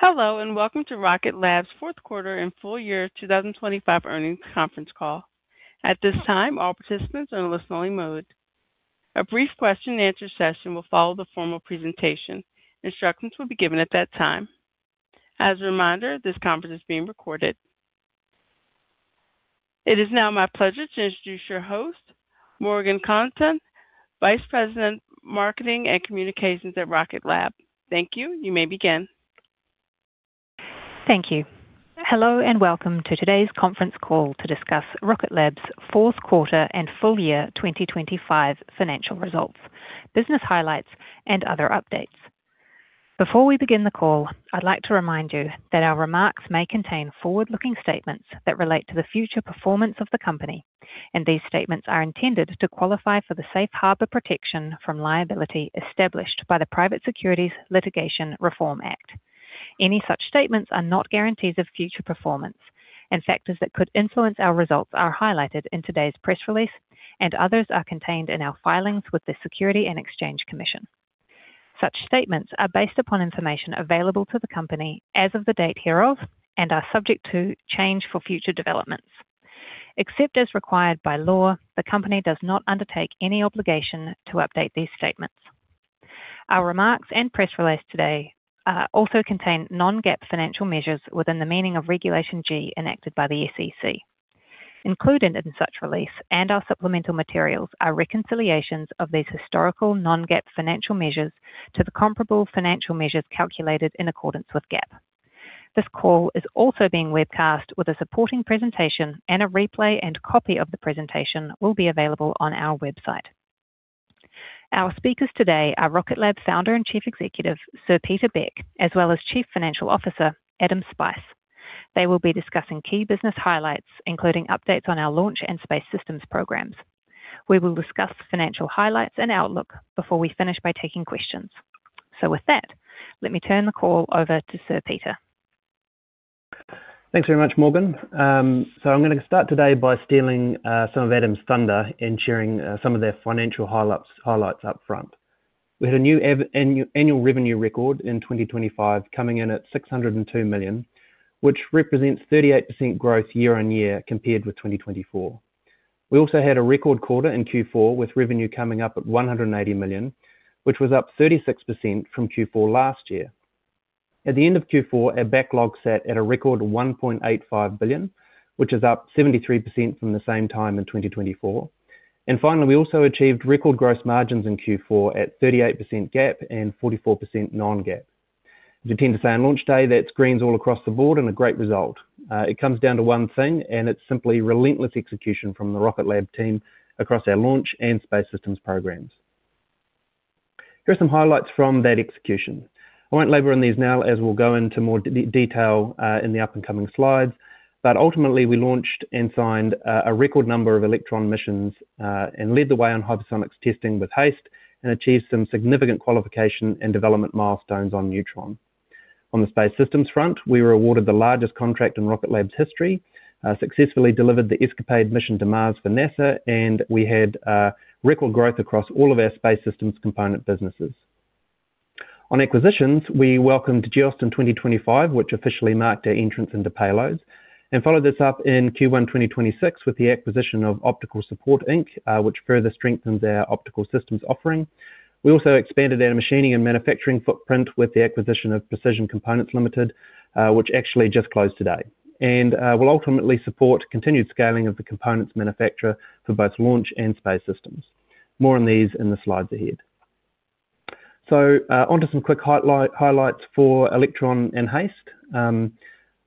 Hello, welcome to Rocket Lab's fourth quarter and full year 2025 earnings conference call. At this time, all participants are in listen-only mode. A brief question and answer session will follow the formal presentation. Instructions will be given at that time. As a reminder, this conference is being recorded. It is now my pleasure to introduce your host, Morgan Connaughton, Vice President, Marketing and Communications at Rocket Lab. Thank you. You may begin. Thank you. Hello, and welcome to today's conference call to discuss Rocket Lab's fourth quarter and full year 2025 financial results, business highlights, and other updates. Before we begin the call, I'd like to remind you that our remarks may contain forward-looking statements that relate to the future performance of the company, and these statements are intended to qualify for the safe harbor protection from liability established by the Private Securities Litigation Reform Act. Any such statements are not guarantees of future performance, and factors that could influence our results are highlighted in today's press release, and others are contained in our filings with the Securities and Exchange Commission. Such statements are based upon information available to the company as of the date hereof and are subject to change for future developments. Except as required by law, the company does not undertake any obligation to update these statements. Our remarks and press release today also contain non-GAAP financial measures within the meaning of Regulation G, enacted by the SEC. Included in such release and our supplemental materials are reconciliations of these historical non-GAAP financial measures to the comparable financial measures calculated in accordance with GAAP. This call is also being webcast with a supporting presentation, and a replay and copy of the presentation will be available on our website. Our speakers today are Rocket Lab Founder and Chief Executive, Sir Peter Beck, as well as Chief Financial Officer, Adam Spice. They will be discussing key business highlights, including updates on our launch and space systems programs. We will discuss financial highlights and outlook before we finish by taking questions. With that, let me turn the call over to Sir Peter. Thanks very much, Morgan. I'm gonna start today by stealing some of Adam's thunder and sharing some of their financial highlights up front. We had a new annual revenue record in 2025, coming in at $602 million, which represents 38% growth year-on-year compared with 2024. We also had a record quarter in Q4, with revenue coming up at $180 million, which was up 36% from Q4 last year. At the end of Q4, our backlog sat at a record $1.85 billion, which is up 73% from the same time in 2024. Finally, we also achieved record gross margins in Q4 at 38% GAAP and 44% non-GAAP. As you tend to say on launch day, that's greens all across the board and a great result. It comes down to one thing, and it's simply relentless execution from the Rocket Lab team across our launch and space systems programs. Here are some highlights from that execution. I won't labor on these now, as we'll go into more detail in the up-and-coming slides, but ultimately, we launched and signed a record number of Electron missions and led the way on hypersonics testing with HASTE, and achieved some significant qualification and development milestones on Neutron. On the space systems front, we were awarded the largest contract in Rocket Lab's history, successfully delivered the ESCAPADE mission to Mars for NASA, and we had record growth across all of our space systems component businesses. On acquisitions, we welcomed Geost in 2025, which officially marked our entrance into payloads, and followed this up in Q1 2026 with the acquisition of Optical Support Inc., which further strengthens our optical systems offering. We also expanded our machining and manufacturing footprint with the acquisition of Precision Components Ltd, which actually just closed today and will ultimately support continued scaling of the components manufacturer for both launch and space systems. More on these in the slides ahead. Onto some quick highlights for Electron and HASTE.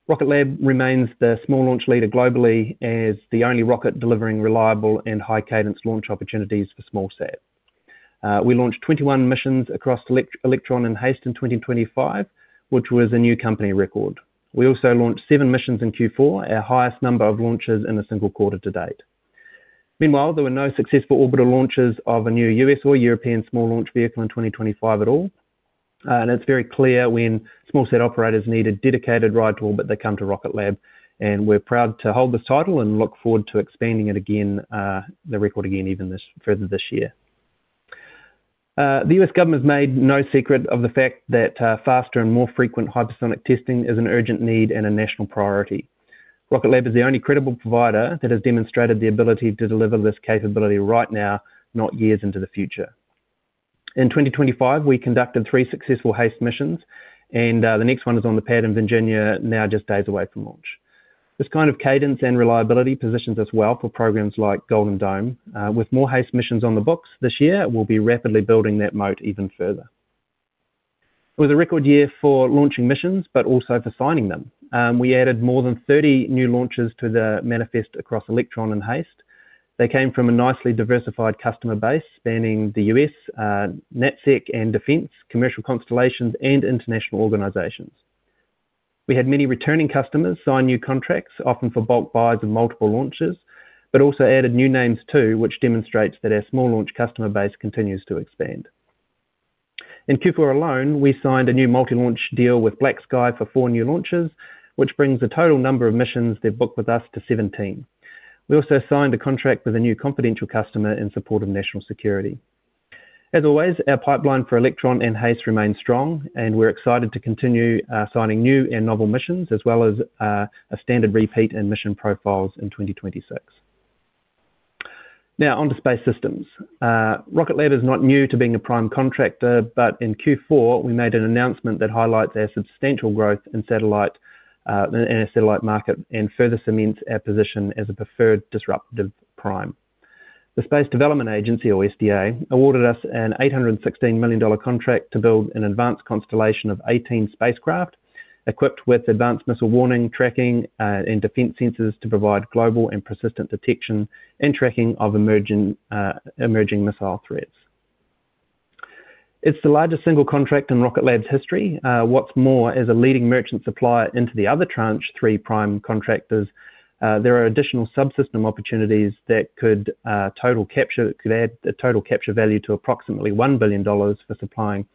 Rocket Lab remains the small launch leader globally as the only rocket delivering reliable and high-cadence launch opportunities for SmallSat. We launched 21 missions across Electron and HASTE in 2025, which was a new company record. We also launched seven missions in Q4, our highest number of launches in a single quarter to date. There were no successful orbital launches of a new U.S. or European small launch vehicle in 2025 at all. It's very clear when SmallSat operators need a dedicated ride to orbit, they come to Rocket Lab, and we're proud to hold this title and look forward to expanding it again, the record again, further this year. The U.S. government has made no secret of the fact that faster and more frequent hypersonic testing is an urgent need and a national priority. Rocket Lab is the only credible provider that has demonstrated the ability to deliver this capability right now, not years into the future. In 2025, we conducted three successful HAST missions, and, the next one is on the pad in Virginia, now just days away from launch. This kind of cadence and reliability positions us well for programs like Golden Dome. With more HAST missions on the books this year, we'll be rapidly building that moat even further. It was a record year for launching missions, but also for signing them. We added more than 30 new launches to the manifest across Electron and HAST. They came from a nicely diversified customer base spanning the U.S., NatSec and Defense, commercial constellations, and international organizations. We had many returning customers sign new contracts, often for bulk buys and multiple launches, but also added new names, too, which demonstrates that our small launch customer base continues to expand. In Q4 alone, we signed a new multi-launch deal with BlackSky for four new launches, which brings the total number of missions they've booked with us to 17. We also signed a contract with a new confidential customer in support of national security. As always, our pipeline for Electron and HASTE remains strong, and we're excited to continue signing new and novel missions as well as a standard repeat and mission profiles in 2026. On to space systems. Rocket Lab is not new to being a prime contractor, but in Q4, we made an announcement that highlights our substantial growth in satellite in our satellite market and further cements our position as a preferred disruptive prime. The Space Development Agency, or SDA, awarded us an $816 million contract to build an advanced constellation of 18 spacecraft, equipped with advanced missile warning, tracking, and defense sensors to provide global and persistent detection and tracking of emerging missile threats. It's the largest single contract in Rocket Lab's history. What's more, as a leading merchant supplier into the other Tranche 3 prime contractors, there are additional subsystem opportunities that could add a total capture value to approximately $1 billion for supplying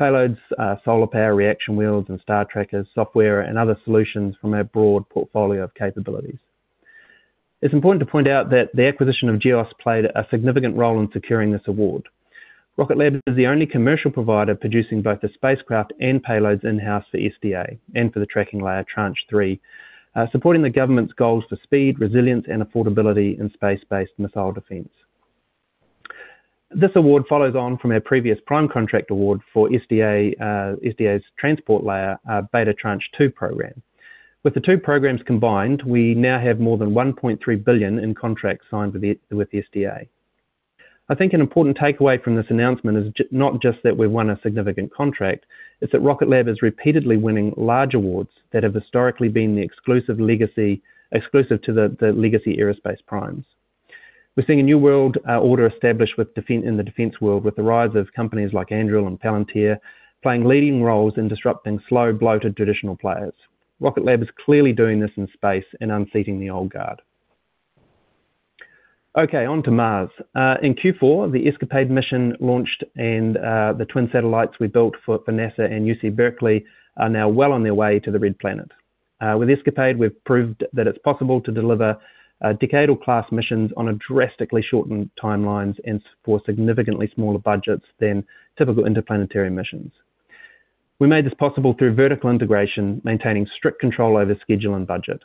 payloads, solar power, reaction wheels, and star trackers, software, and other solutions from our broad portfolio of capabilities. It's important to point out that the acquisition of Geost played a significant role in securing this award. Rocket Lab is the only commercial provider producing both the spacecraft and payloads in-house for SDA and for the Tracking Layer Tranche 3, supporting the government's goals for speed, resilience, and affordability in space-based missile defense. This award follows on from our previous prime contract award for SDA's Transport Layer, Beta Tranche 2 program. With the two programs combined, we now have more than $1.3 billion in contracts signed with the SDA. I think an important takeaway from this announcement is not just that we've won a significant contract, it's that Rocket Lab is repeatedly winning large awards that have historically been exclusive to the legacy aerospace primes. We're seeing a new world, order established with defense, in the defense world, with the rise of companies like Anduril and Palantir, playing leading roles in disrupting slow, bloated, traditional players. Rocket Lab is clearly doing this in space and unseating the old guard. Okay, on to Mars. In Q4, the ESCAPADE mission launched, and the twin satellites we built for NASA and UC Berkeley are now well on their way to the Red Planet. With ESCAPADE, we've proved that it's possible to deliver, decadal-class missions on a drastically shortened timelines and for significantly smaller budgets than typical interplanetary missions. We made this possible through vertical integration, maintaining strict control over schedule and budget.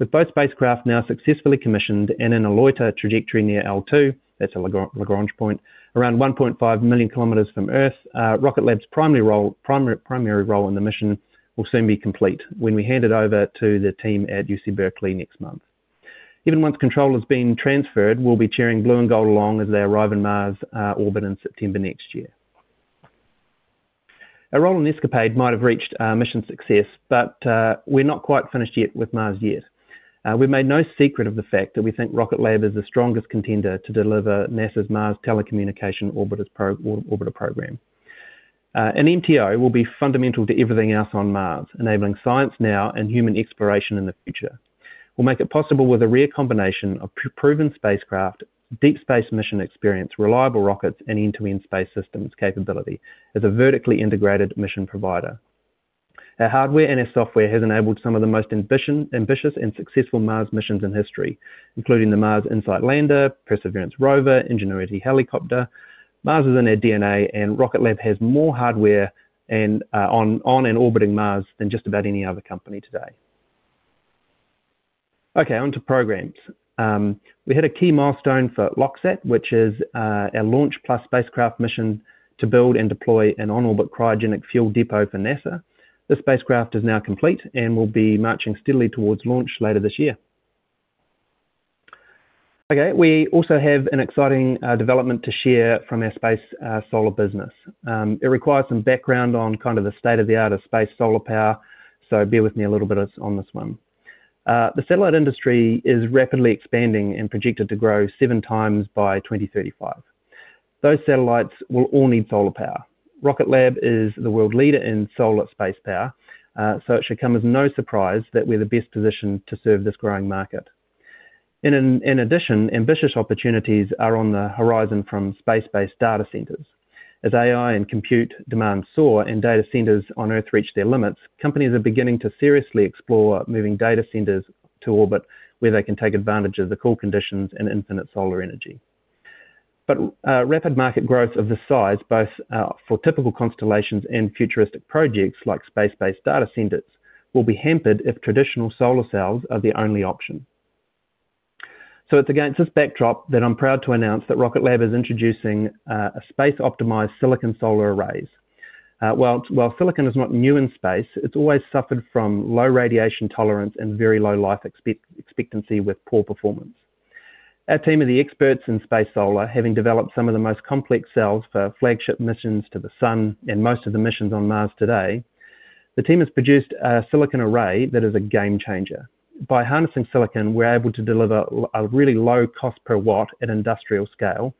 With both spacecraft now successfully commissioned and in a loiter trajectory near L2, that's a Lagrange point, around 1.5 million kilometers from Earth, Rocket Lab's primary role in the mission will soon be complete when we hand it over to the team at UC Berkeley next month. Even once control has been transferred, we'll be cheering blue and gold along as they arrive in Mars' orbit in September next year. Our role in ESCAPADE might have reached mission success, we're not quite finished yet with Mars yet. We've made no secret of the fact that we think Rocket Lab is the strongest contender to deliver NASA's Mars Telecommunications Orbiter program. An MTO will be fundamental to everything else on Mars, enabling science now and human exploration in the future. We'll make it possible with a rare combination of proven spacecraft, deep space mission experience, reliable rockets, and end-to-end space systems capability as a vertically integrated mission provider. Our hardware and our software has enabled some of the most ambitious and successful Mars missions in history, including the Mars InSight lander, Perseverance rover, Ingenuity helicopter. Mars is in our DNA, and Rocket Lab has more hardware on and orbiting Mars than just about any other company today. Okay, onto programs. We had a key milestone for LOXSAT, which is our launch plus spacecraft mission to build and deploy an on-orbit cryogenic fuel depot for NASA. The spacecraft is now complete and will be marching steadily towards launch later this year. Okay, we also have an exciting development to share from our space solar business. It requires some background on kind of the state-of-the-art of space solar power, so bear with me a little bit on this one. The satellite industry is rapidly expanding and projected to grow seven times by 2035. Those satellites will all need solar power. Rocket Lab is the world leader in solar space power, so it should come as no surprise that we're the best positioned to serve this growing market. In addition, ambitious opportunities are on the horizon from space-based data centers. As AI and compute demand soar and data centers on Earth reach their limits, companies are beginning to seriously explore moving data centers to orbit, where they can take advantage of the cool conditions and infinite solar energy. Rapid market growth of this size, both for typical constellations and futuristic projects like space-based data centers, will be hampered if traditional solar cells are the only option. It's against this backdrop that I'm proud to announce that Rocket Lab is introducing a space-optimized silicon solar arrays. While silicon is not new in space, it's always suffered from low radiation tolerance and very low life expectancy with poor performance. Our team of the experts in space solar, having developed some of the most complex cells for flagship missions to the Sun and most of the missions on Mars today, the team has produced a silicon array that is a game changer. By harnessing silicon, we're able to deliver a really low cost per watt at industrial scale,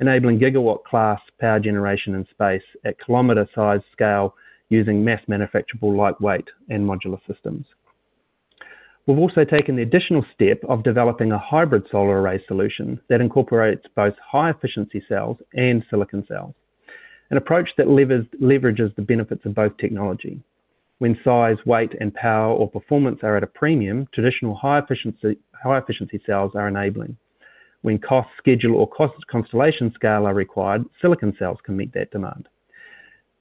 enabling gigawatt-class power generation in space at kilometer size scale, using mass-manufacturable, lightweight, and modular systems. We've also taken the additional step of developing a hybrid solar array solution that incorporates both high-efficiency cells and silicon cells. An approach that leverages the benefits of both technology. When size, weight, and power or performance are at a premium, traditional high efficiency cells are enabling. When cost, schedule, or cost constellation scale are required, silicon cells can meet that demand.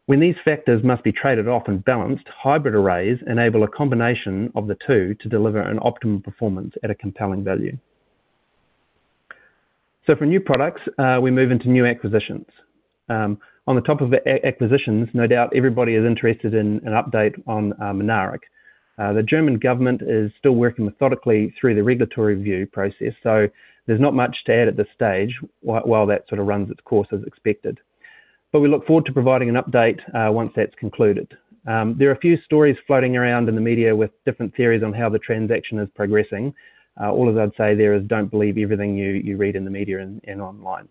When these factors must be traded off and balanced, hybrid arrays enable a combination of the two to deliver an optimal performance at a compelling value. For new products, we move into new acquisitions. On the top of the acquisitions, no doubt everybody is interested in an update on Mynaric. The German government is still working methodically through the regulatory review process, so there's not much to add at this stage while that sort of runs its course as expected. We look forward to providing an update once that's concluded. There are a few stories floating around in the media with different theories on how the transaction is progressing. All that I'd say there is, don't believe everything you read in the media and online.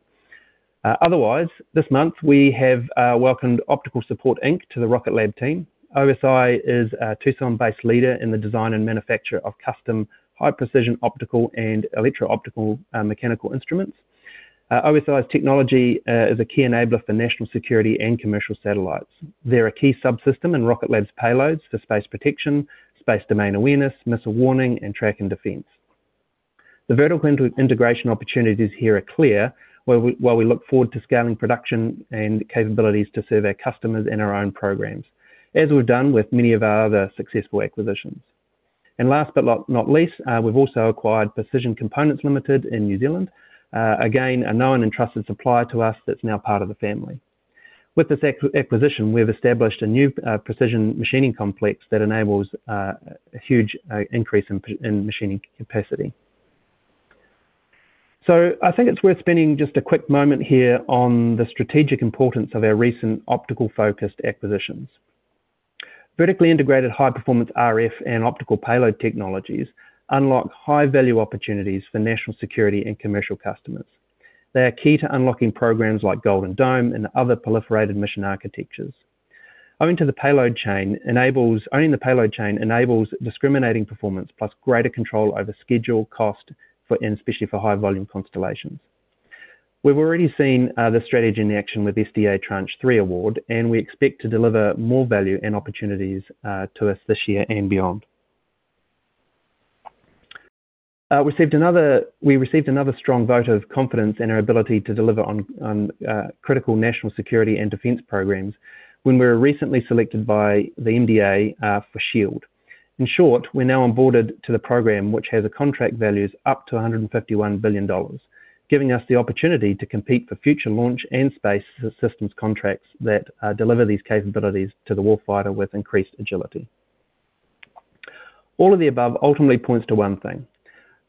Otherwise, this month, we have welcomed Optical Support Inc. to the Rocket Lab team. OSI is a Tucson-based leader in the design and manufacture of custom, high precision optical and electro-optical mechanical instruments. OSI's technology is a key enabler for national security and commercial satellites. They're a key subsystem in Rocket Lab's payloads for space protection, space domain awareness, missile warning, and track and defense. The vertical integration opportunities here are clear, while we look forward to scaling production and capabilities to serve our customers and our own programs, as we've done with many of our other successful acquisitions. Last but not least, we've also acquired Precision Components Ltd in New Zealand. Again, a known and trusted supplier to us that's now part of the family. With this acquisition, we've established a new precision machining complex that enables a huge increase in machining capacity. I think it's worth spending just a quick moment here on the strategic importance of our recent optical-focused acquisitions. Vertically integrated, high-performance RF and optical payload technologies unlock high value opportunities for national security and commercial customers. They are key to unlocking programs like Golden Dome and other proliferated mission architectures. Owning the payload chain enables discriminating performance, plus greater control over schedule, cost for, and especially for high volume constellations. We've already seen the strategy in action with SDA Tranche 3 award, and we expect to deliver more value and opportunities to us this year and beyond. We received another strong vote of confidence in our ability to deliver on critical national security and defense programs when we were recently selected by the MDA for Shield. In short, we're now onboarded to the program, which has a contract values up to $151 billion, giving us the opportunity to compete for future launch and space systems contracts that deliver these capabilities to the warfighter with increased agility. All of the above ultimately points to one thing: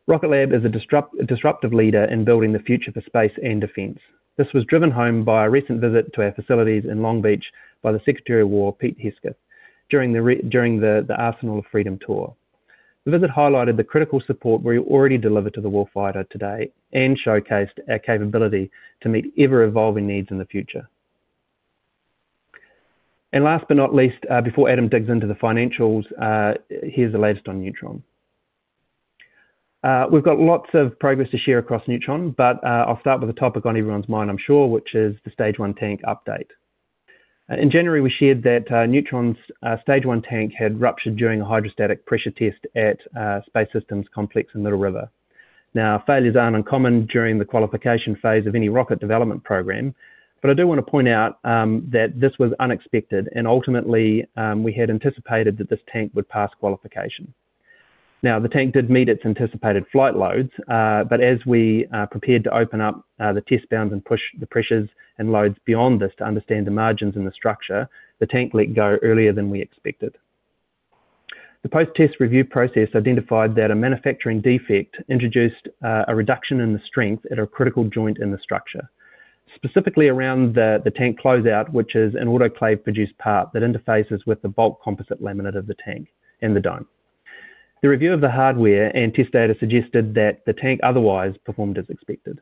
Rocket Lab is a disruptive leader in building the future for space and defense. This was driven home by a recent visit to our facilities in Long Beach by the Secretary of War, Pete Hegseth, during the Arsenal of Freedom Tour. The visit highlighted the critical support we already delivered to the warfighter today, and showcased our capability to meet ever-evolving needs in the future. Last but not least, before Adam digs into the financials, here's the latest on Neutron. We've got lots of progress to share across Neutron, but I'll start with a topic on everyone's mind, I'm sure, which is the stage one tank update. In January, we shared that Neutron's stage one tank had ruptured during a hydrostatic pressure test at Space Systems Complex in Little River. Failures aren't uncommon during the qualification phase of any rocket development program, but I do wanna point out that this was unexpected, and ultimately, we had anticipated that this tank would pass qualification. The tank did meet its anticipated flight loads, but as we prepared to open up the test bounds and push the pressures and loads beyond this to understand the margins and the structure, the tank let go earlier than we expected. The post-test review process identified that a manufacturing defect introduced a reduction in the strength at a critical joint in the structure. Specifically around the tank closeout, which is an autoclave-produced part that interfaces with the bulk composite laminate of the tank and the dome. The review of the hardware and test data suggested that the tank otherwise performed as expected.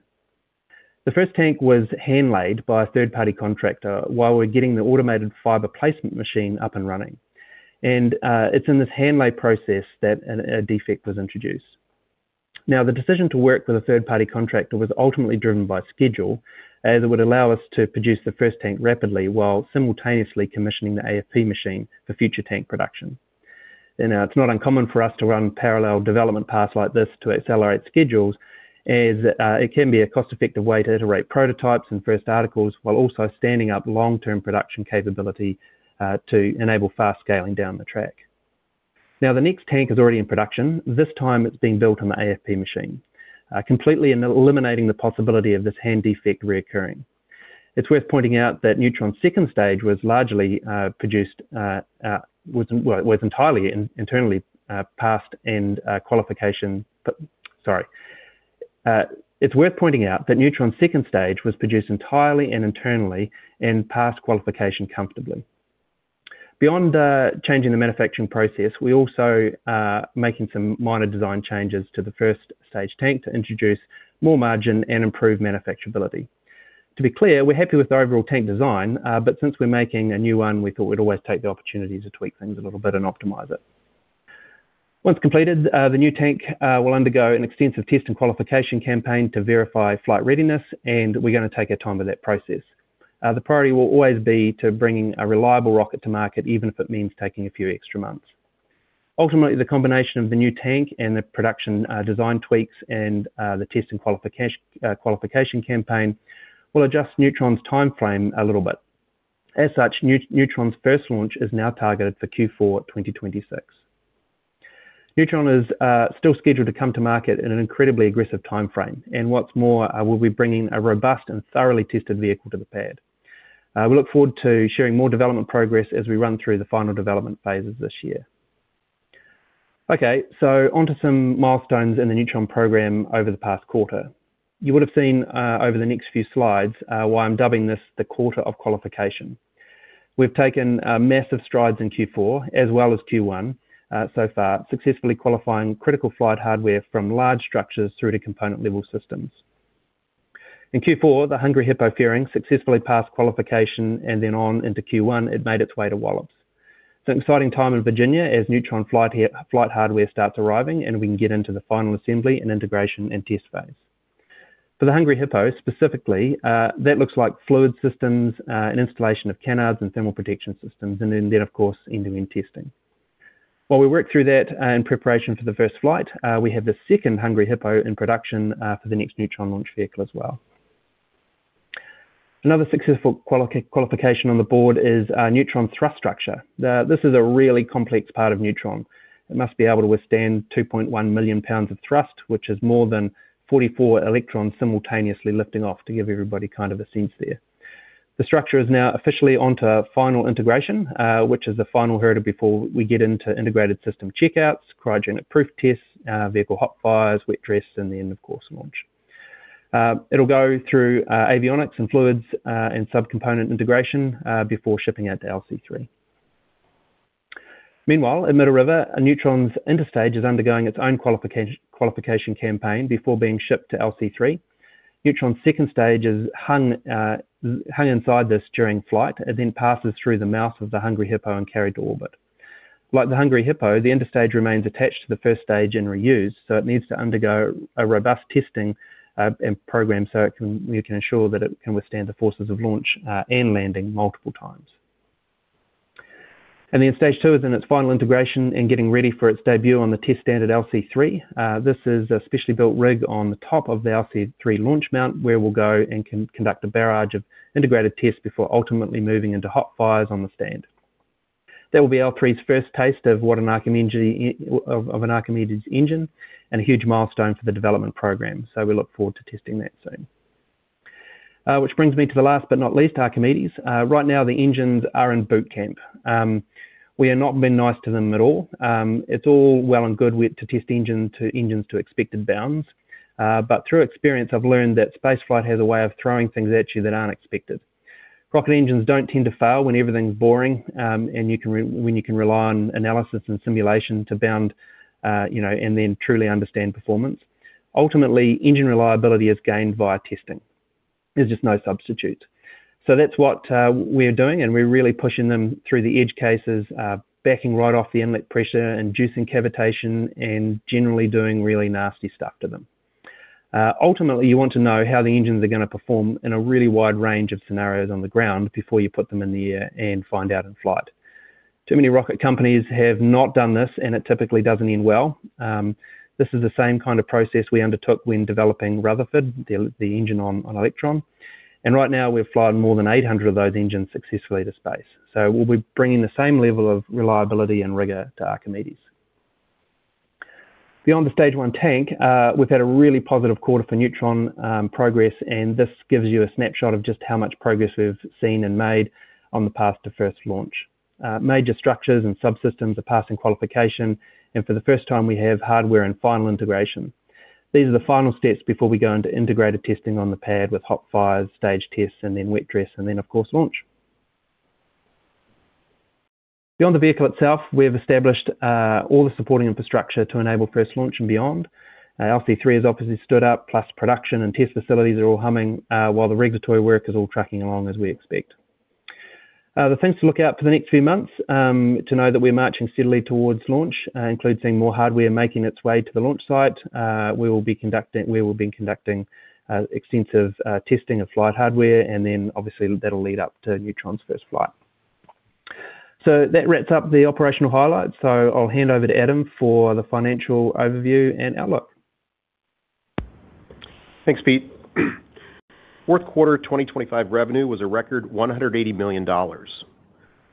The first tank was hand-laid by a third-party contractor while we're getting the automated fiber placement machine up and running. It's in this hand-laid process that a defect was introduced. The decision to work with a third-party contractor was ultimately driven by schedule, as it would allow us to produce the first tank rapidly while simultaneously commissioning the AFP machine for future tank production. Now it's not uncommon for us to run parallel development paths like this to accelerate schedules, as it can be a cost-effective way to iterate prototypes and first articles, while also standing up long-term production capability to enable fast scaling down the track. The next tank is already in production. This time, it's being built on the AFP machine, completely eliminating the possibility of this hand defect reoccurring. It's worth pointing out that Neutron's second stage was produced entirely and internally in passed qualification comfortably. Beyond changing the manufacturing process, we also are making some minor design changes to the first stage tank to introduce more margin and improve manufacturability. To be clear, we're happy with the overall tank design, but since we're making a new one, we thought we'd always take the opportunity to tweak things a little bit and optimize it. Once completed, the new tank, will undergo an extensive test and qualification campaign to verify flight readiness, and we're gonna take our time with that process. The priority will always be to bringing a reliable rocket to market, even if it means taking a few extra months. Ultimately, the combination of the new tank and the production design tweaks, and the test and qualification campaign will adjust Neutron's timeframe a little bit. As such, Neutron's first launch is now targeted for Q4 2026. Neutron is still scheduled to come to market in an incredibly aggressive timeframe, and what's more, we'll be bringing a robust and thoroughly tested vehicle to the pad. We look forward to sharing more development progress as we run through the final development phases this year. On to some milestones in the Neutron program over the past quarter. You would have seen over the next few slides why I'm dubbing this the quarter of qualification. We've taken massive strides in Q4, as well as Q1, so far, successfully qualifying critical flight hardware from large structures through to component-level systems. In Q4, the Hungry Hippo fairing successfully passed qualification, and then on into Q1, it made its way to Wallops. It's an exciting time in Virginia as Neutron flight hardware starts arriving, and we can get into the final assembly and integration and test phase. For the Hungry Hippo specifically, that looks like fluid systems, and installation of canards and thermal protection systems, and then, of course, end-to-end testing. While we work through that, in preparation for the first flight, we have the second Hungry Hippo in production, for the next Neutron launch vehicle as well. Another successful qualification on the board is Neutron's thrust structure. This is a really complex part of Neutron. It must be able to withstand 2.1 million pounds of thrust, which is more than 44 Electrons simultaneously lifting off, to give everybody kind of a sense there. The structure is now officially on to final integration, which is the final hurdle before we get into integrated system checkouts, cryogenic proof tests, vehicle hot fires, wet dress, and then, of course, launch. It'll go through avionics and fluids and subcomponent integration before shipping out to LC-3. Meanwhile, at Little River, a Neutron's interstage is undergoing its own qualification campaign before being shipped to LC-3. Neutron's second stage is hung inside this during flight, and then passes through the mouth of the Hungry Hippo and carried to orbit. Like the Hungry Hippo, the interstage remains attached to the first stage and reused, so it needs to undergo a robust testing and program so we can ensure that it can withstand the forces of launch and landing multiple times. Stage two is in its final integration and getting ready for its debut on the test stand at LC-3. This is a specially built rig on the top of the LC-3 launch mount, where we'll go and conduct a barrage of integrated tests before ultimately moving into hot fires on the stand. That will be LC-3's first taste of what an Archimedes engine and a huge milestone for the development program. We look forward to testing that soon. Which brings me to the last, but not least, Archimedes. Right now, the engines are in boot camp. We are not being nice to them at all. It's all well and good to test engines to expected bounds. Through experience, I've learned that spaceflight has a way of throwing things at you that aren't expected. Rocket engines don't tend to fail when everything's boring, when you can rely on analysis and simulation to bound, you know, and then truly understand performance. Ultimately, engine reliability is gained via testing. There's just no substitute. That's what we're doing, we're really pushing them through the edge cases, backing right off the inlet pressure, inducing cavitation, and generally doing really nasty stuff to them. Ultimately, you want to know how the engines are gonna perform in a really wide range of scenarios on the ground before you put them in the air and find out in flight. Too many rocket companies have not done this, and it typically doesn't end well. This is the same kind of process we undertook when developing Rutherford, the engine on Electron, and right now we've flown more than 800 of those engines successfully to space. We'll be bringing the same level of reliability and rigor to Archimedes. Beyond the Stage one tank, we've had a really positive quarter for Neutron, progress, and this gives you a snapshot of just how much progress we've seen and made on the path to first launch. Major structures and subsystems are passing qualification, and for the first time, we have hardware and final integration. These are the final steps before we go into integrated testing on the pad with hot fires, stage tests, and then wet dress, and then, of course, launch. Beyond the vehicle itself, we've established all the supporting infrastructure to enable first launch and beyond. LC-3 is obviously stood up, plus production and test facilities are all humming while the regulatory work is all tracking along as we expect. The things to look out for the next few months to know that we're marching steadily towards launch includes seeing more hardware making its way to the launch site. We will be conducting extensive testing of flight hardware, and then obviously, that'll lead up to Neutron's first flight. That wraps up the operational highlights. I'll hand over to Adam for the financial overview and outlook. Thanks, Pete. Fourth quarter 2025 revenue was a record $180 million,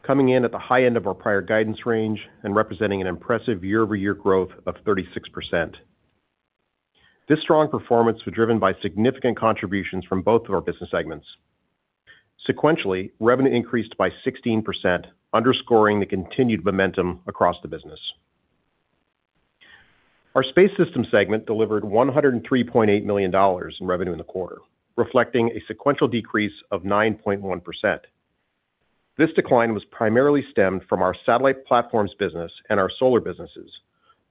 coming in at the high end of our prior guidance range and representing an impressive year-over-year growth of 36%. This strong performance was driven by significant contributions from both of our business segments. Sequentially, revenue increased by 16%, underscoring the continued momentum across the business. Our Space Systems segment delivered $103.8 million in revenue in the quarter, reflecting a sequential decrease of 9.1%. This decline was primarily stemmed from our satellite platforms business and our solar businesses,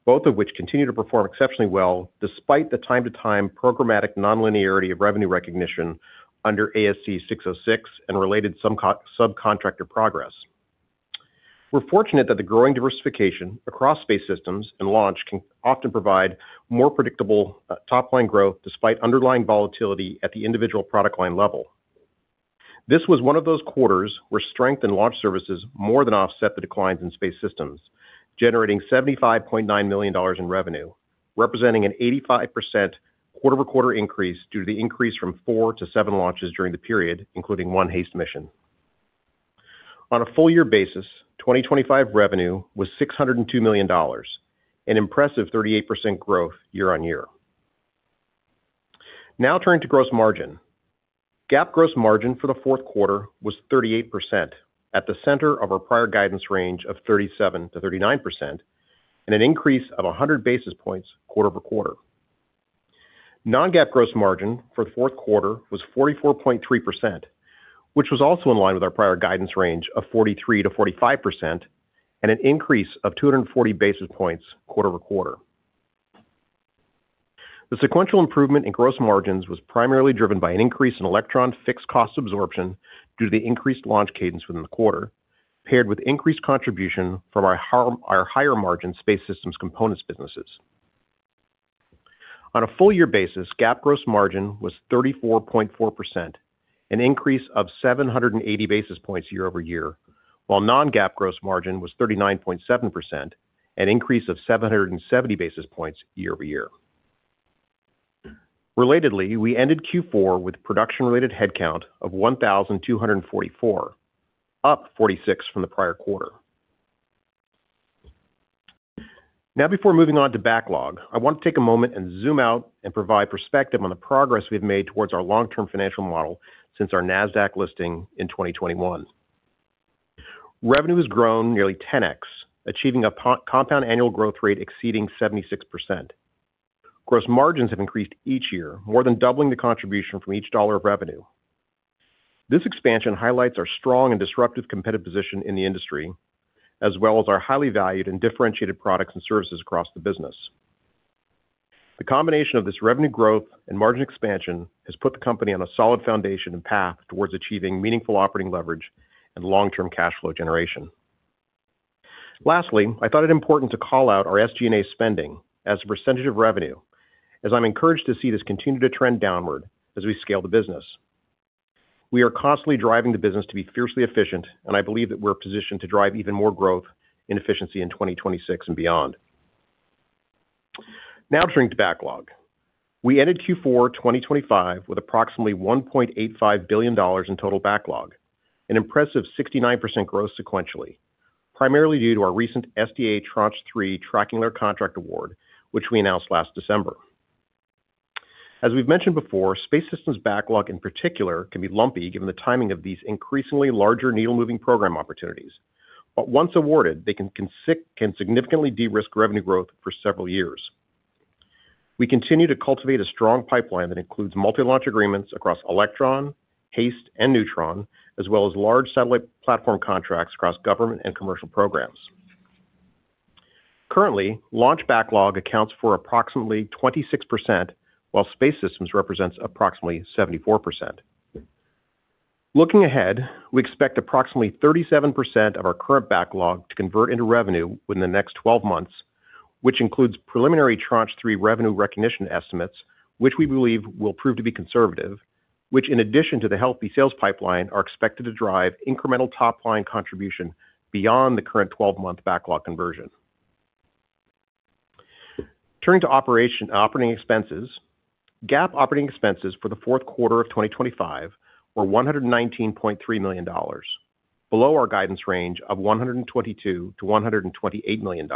both of which continue to perform exceptionally well despite the time-to-time programmatic nonlinearity of revenue recognition under ASC 606 and related subcontractor progress. We're fortunate that the growing diversification across space systems and launch can often provide more predictable top-line growth, despite underlying volatility at the individual product line level. This was one of those quarters where strength in launch services more than offset the declines in space systems, generating $75.9 million in revenue, representing an 85% quarter-over-quarter increase due to the increase from four to seven launches during the period, including one HASTE mission. On a full year basis, 2025 revenue was $602 million, an impressive 38% growth year-on-year. Turning to gross margin. GAAP gross margin for the fourth quarter was 38%, at the center of our prior guidance range of 37%-39%, and an increase of 100 basis points quarter-over-quarter. Non-GAAP gross margin for the fourth quarter was 44.3%, which was also in line with our prior guidance range of 43%-45%, an increase of 240 basis points quarter-over-quarter. The sequential improvement in gross margins was primarily driven by an increase in Electron fixed cost absorption due to the increased launch cadence within the quarter, paired with increased contribution from our higher-margin space systems components businesses. On a full year basis, GAAP gross margin was 34.4%, an increase of 780 basis points year-over-year, while non-GAAP gross margin was 39.7%, an increase of 770 basis points year-over-year. Relatedly, we ended Q4 with production-related headcount of 1,244, up 46 from the prior quarter. Now, before moving on to backlog, I want to take a moment and zoom out and provide perspective on the progress we've made towards our long-term financial model since our Nasdaq listing in 2021. Revenue has grown nearly 10x, achieving a compound annual growth rate exceeding 76%. Gross margins have increased each year, more than doubling the contribution from each dollar of revenue. This expansion highlights our strong and disruptive competitive position in the industry, as well as our highly valued and differentiated products and services across the business. The combination of this revenue growth and margin expansion has put the company on a solid foundation and path towards achieving meaningful operating leverage and long-term cash flow generation. Lastly, I thought it important to call out our SG&A spending as a percentage of revenue, as I'm encouraged to see this continue to trend downward as we scale the business. We are constantly driving the business to be fiercely efficient, and I believe that we're positioned to drive even more growth and efficiency in 2026 and beyond. Turning to backlog. We ended Q4 2025 with approximately $1.85 billion in total backlog, an impressive 69% growth sequentially, primarily due to our recent SDA Tranche 3 Tracking Layer contract award, which we announced last December. As we've mentioned before, space systems backlog, in particular, can be lumpy, given the timing of these increasingly larger needle-moving program opportunities. Once awarded, they can significantly de-risk revenue growth for several years. We continue to cultivate a strong pipeline that includes multi-launch agreements across Electron, HASTE, and Neutron, as well as large satellite platform contracts across government and commercial programs. Currently, launch backlog accounts for approximately 26%, while space systems represents approximately 74%. Looking ahead, we expect approximately 37% of our current backlog to convert into revenue within the next 12 months, which includes preliminary Tranche 3 revenue recognition estimates, which we believe will prove to be conservative. In addition to the healthy sales pipeline, are expected to drive incremental top-line contribution beyond the current 12-month backlog conversion. Turning to operation and operating expenses. GAAP operating expenses for the fourth quarter of 2025 were $119.3 million, below our guidance range of $122 million-$128 million.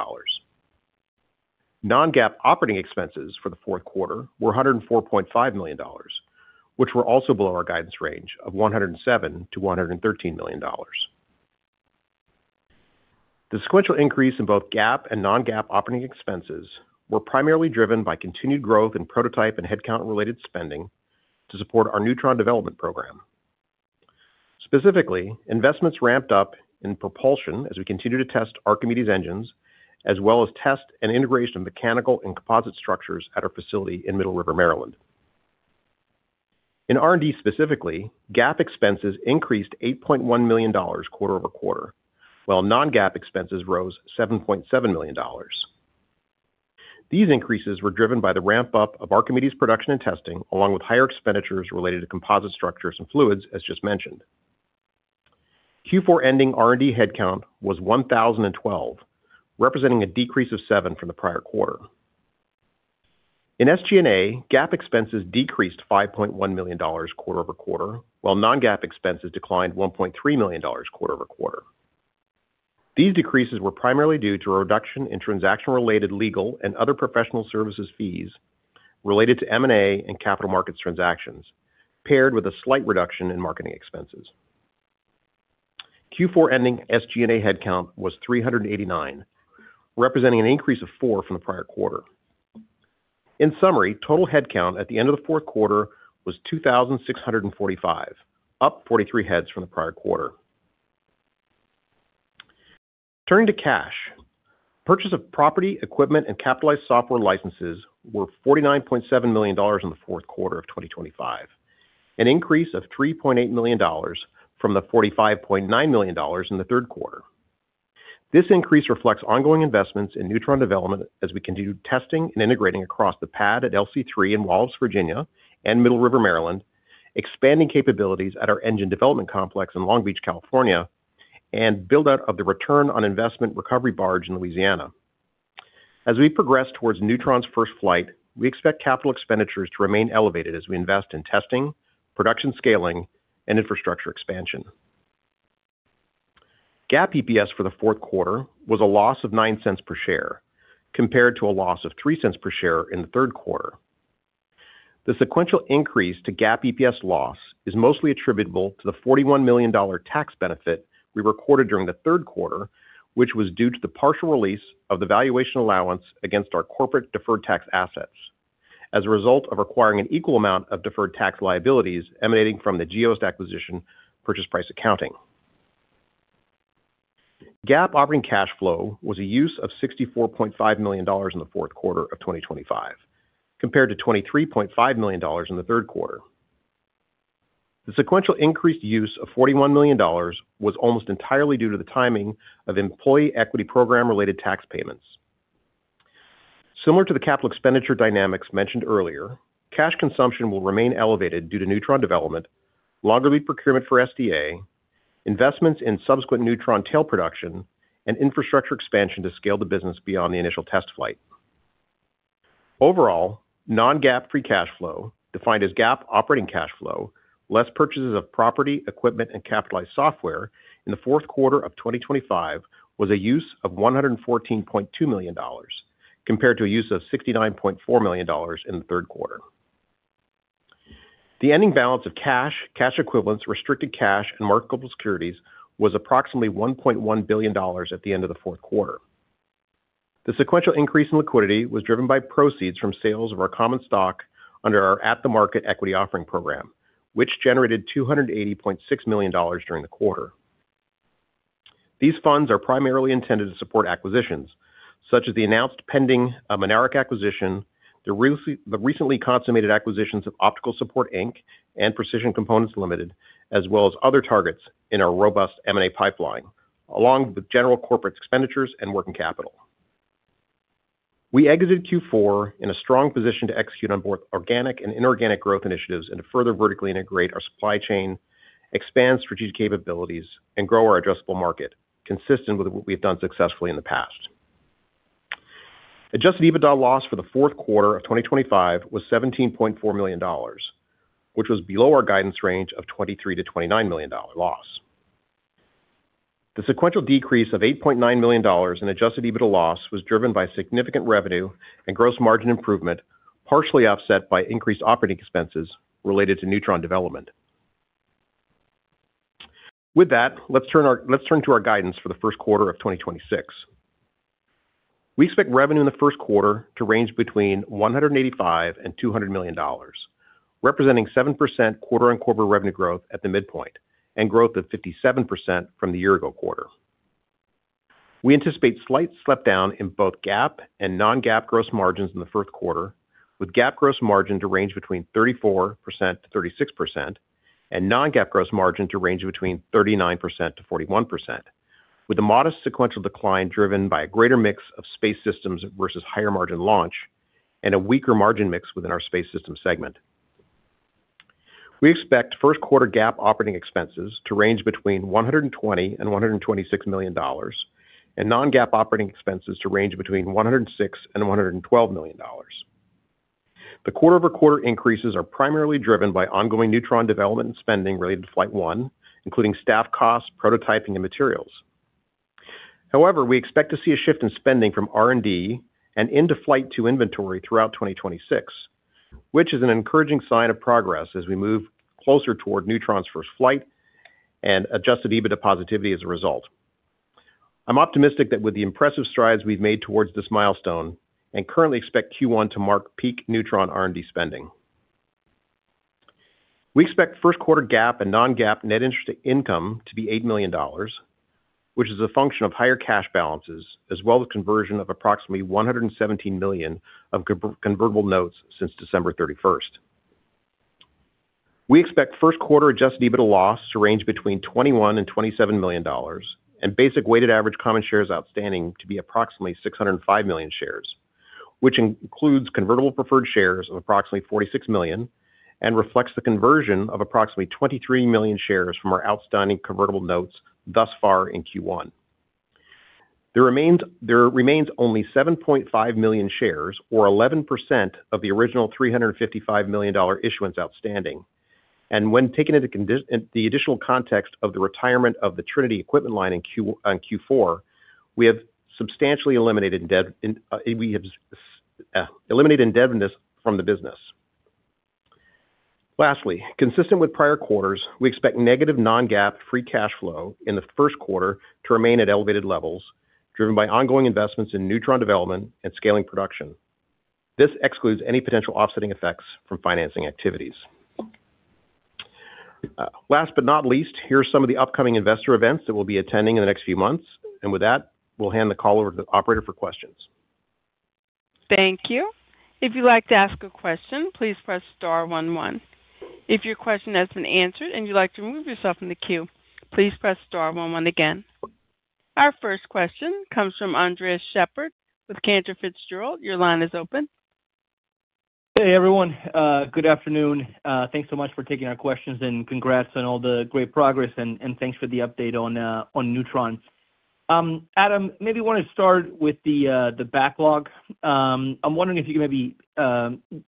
Non-GAAP operating expenses for the fourth quarter were $104.5 million, which were also below our guidance range of $107 million-$113 million. The sequential increase in both GAAP and non-GAAP operating expenses were primarily driven by continued growth in prototype and headcount-related spending to support our Neutron development program. Specifically, investments ramped up in propulsion as we continue to test Archimedes engines, as well as test and integration of mechanical and composite structures at our facility in Middle River, Maryland. In R&D, specifically, GAAP expenses increased $8.1 million quarter-over-quarter, while non-GAAP expenses rose $7.7 million. These increases were driven by the ramp-up of Archimedes production and testing, along with higher expenditures related to composite structures and fluids, as just mentioned. Q4 ending R&D headcount was 1,012, representing a decrease of seven from the prior quarter. In SG&A, GAAP expenses decreased $5.1 million quarter-over-quarter, while non-GAAP expenses declined $1.3 million quarter-over-quarter. These decreases were primarily due to a reduction in transaction-related legal and other professional services fees related to M&A and capital markets transactions, paired with a slight reduction in marketing expenses. Q4 ending SG&A headcount was 389, representing an increase of four from the prior quarter. In summary, total headcount at the end of the fourth quarter was 2,645, up 43 heads from the prior quarter. Turning to cash. Purchase of property, equipment, and capitalized software licenses were $49.7 million in the fourth quarter of 2025, an increase of $3.8 million from the $45.9 million in the third quarter. This increase reflects ongoing investments in Neutron development as we continue testing and integrating across the pad at LC-3 in Wallops, Virginia, and Middle River, Maryland, expanding capabilities at our Engine Development Complex in Long Beach, California, and build out of the Return On Investment recovery barge in Louisiana. As we progress towards Neutron's first flight, we expect capital expenditures to remain elevated as we invest in testing, production scaling, and infrastructure expansion. GAAP EPS for the fourth quarter was a loss of $0.09 per share, compared to a loss of $0.03 per share in the third quarter. The sequential increase to GAAP EPS loss is mostly attributable to the $41 million tax benefit we recorded during the third quarter, which was due to the partial release of the valuation allowance against our corporate deferred tax assets as a result of requiring an equal amount of deferred tax liabilities emanating from the Geost acquisition purchase price accounting. GAAP operating cash flow was a use of $64.5 million in the fourth quarter of 2025, compared to $23.5 million in the third quarter. The sequential increased use of $41 million was almost entirely due to the timing of employee equity program-related tax payments. Similar to the capital expenditure dynamics mentioned earlier, cash consumption will remain elevated due to Neutron development, longer lead procurement for SDA, investments in subsequent Neutron tail production, and infrastructure expansion to scale the business beyond the initial test flight. Overall, non-GAAP free cash flow, defined as GAAP operating cash flow, less purchases of property, equipment, and capitalized software in the fourth quarter of 2025, was a use of $114.2 million, compared to a use of $69.4 million in the third quarter. The ending balance of cash equivalents, restricted cash, and marketable securities was approximately $1.1 billion at the end of the fourth quarter. The sequential increase in liquidity was driven by proceeds from sales of our common stock under our at-the-market equity offering program, which generated $280.6 million during the quarter. These funds are primarily intended to support acquisitions, such as the announced pending Mynaric acquisition, the recently consummated acquisitions of Optical Support Inc. and Precision Components td, as well as other targets in our robust M&A pipeline, along with general corporate expenditures and working capital. We exited Q4 in a strong position to execute on both organic and inorganic growth initiatives and to further vertically integrate our supply chain, expand strategic capabilities, and grow our addressable market, consistent with what we've done successfully in the past. Adjusted EBITDA loss for the fourth quarter of 2025 was $17.4 million, which was below our guidance range of $23 million-$29 million loss. The sequential decrease of $8.9 million in Adjusted EBITDA loss was driven by significant revenue and gross margin improvement, partially offset by increased operating expenses related to Neutron development. With that, let's turn to our guidance for the first quarter of 2026. We expect revenue in the first quarter to range between $185 million and $200 million, representing 7% quarter-on-quarter revenue growth at the midpoint and growth of 57% from the year ago quarter. We anticipate slight slip down in both GAAP and non-GAAP gross margins in the first quarter, with GAAP gross margin to range between 34%-36% and non-GAAP gross margin to range between 39%-41%, with a modest sequential decline driven by a greater mix of space systems versus higher margin launch and a weaker margin mix within our space system segment. We expect first quarter GAAP operating expenses to range between $120 million and $126 million, and non-GAAP operating expenses to range between $106 million and $112 million. The quarter-over-quarter increases are primarily driven by ongoing Neutron development and spending related to Flight One, including staff costs, prototyping, and materials. We expect to see a shift in spending from R&D and into Flight two inventory throughout 2026, which is an encouraging sign of progress as we move closer toward Neutron's first flight and adjusted EBITDA positivity as a result. I'm optimistic that with the impressive strides we've made towards this milestone and currently expect Q1 to mark peak Neutron R&D spending. We expect first quarter GAAP and non-GAAP net interest income to be $8 million, which is a function of higher cash balances, as well as conversion of approximately $117 million of convertible notes since December 31st. We expect first quarter adjusted EBITDA loss to range between $21 million and $27 million, and basic weighted average common shares outstanding to be approximately 605 million shares, which includes convertible preferred shares of approximately 46 million and reflects the conversion of approximately 23 million shares from our outstanding convertible notes thus far in Q1. There remains only 7.5 million shares or 11% of the original $355 million issuance outstanding. When taken into the additional context of the retirement of the Trinity equipment line on Q4, we have substantially eliminated debt, we have eliminated indebtedness from the business. Lastly, consistent with prior quarters, we expect negative non-GAAP free cash flow in the first quarter to remain at elevated levels, driven by ongoing investments in Neutron development and scaling production. This excludes any potential offsetting effects from financing activities. Last but not least, here are some of the upcoming investor events that we'll be attending in the next few months. With that, we'll hand the call over to the operator for questions. Thank you. If you'd like to ask a question, please press star 11. If your question has been answered and you'd like to remove yourself from the queue, please press star 11 again. Our first question comes from Andres Sheppard with Cantor Fitzgerald. Your line is open. Hey, everyone. Good afternoon. Thanks so much for taking our questions, and congrats on all the great progress, and thanks for the update on Neutron. Adam, maybe want to start with the backlog. I'm wondering if you can maybe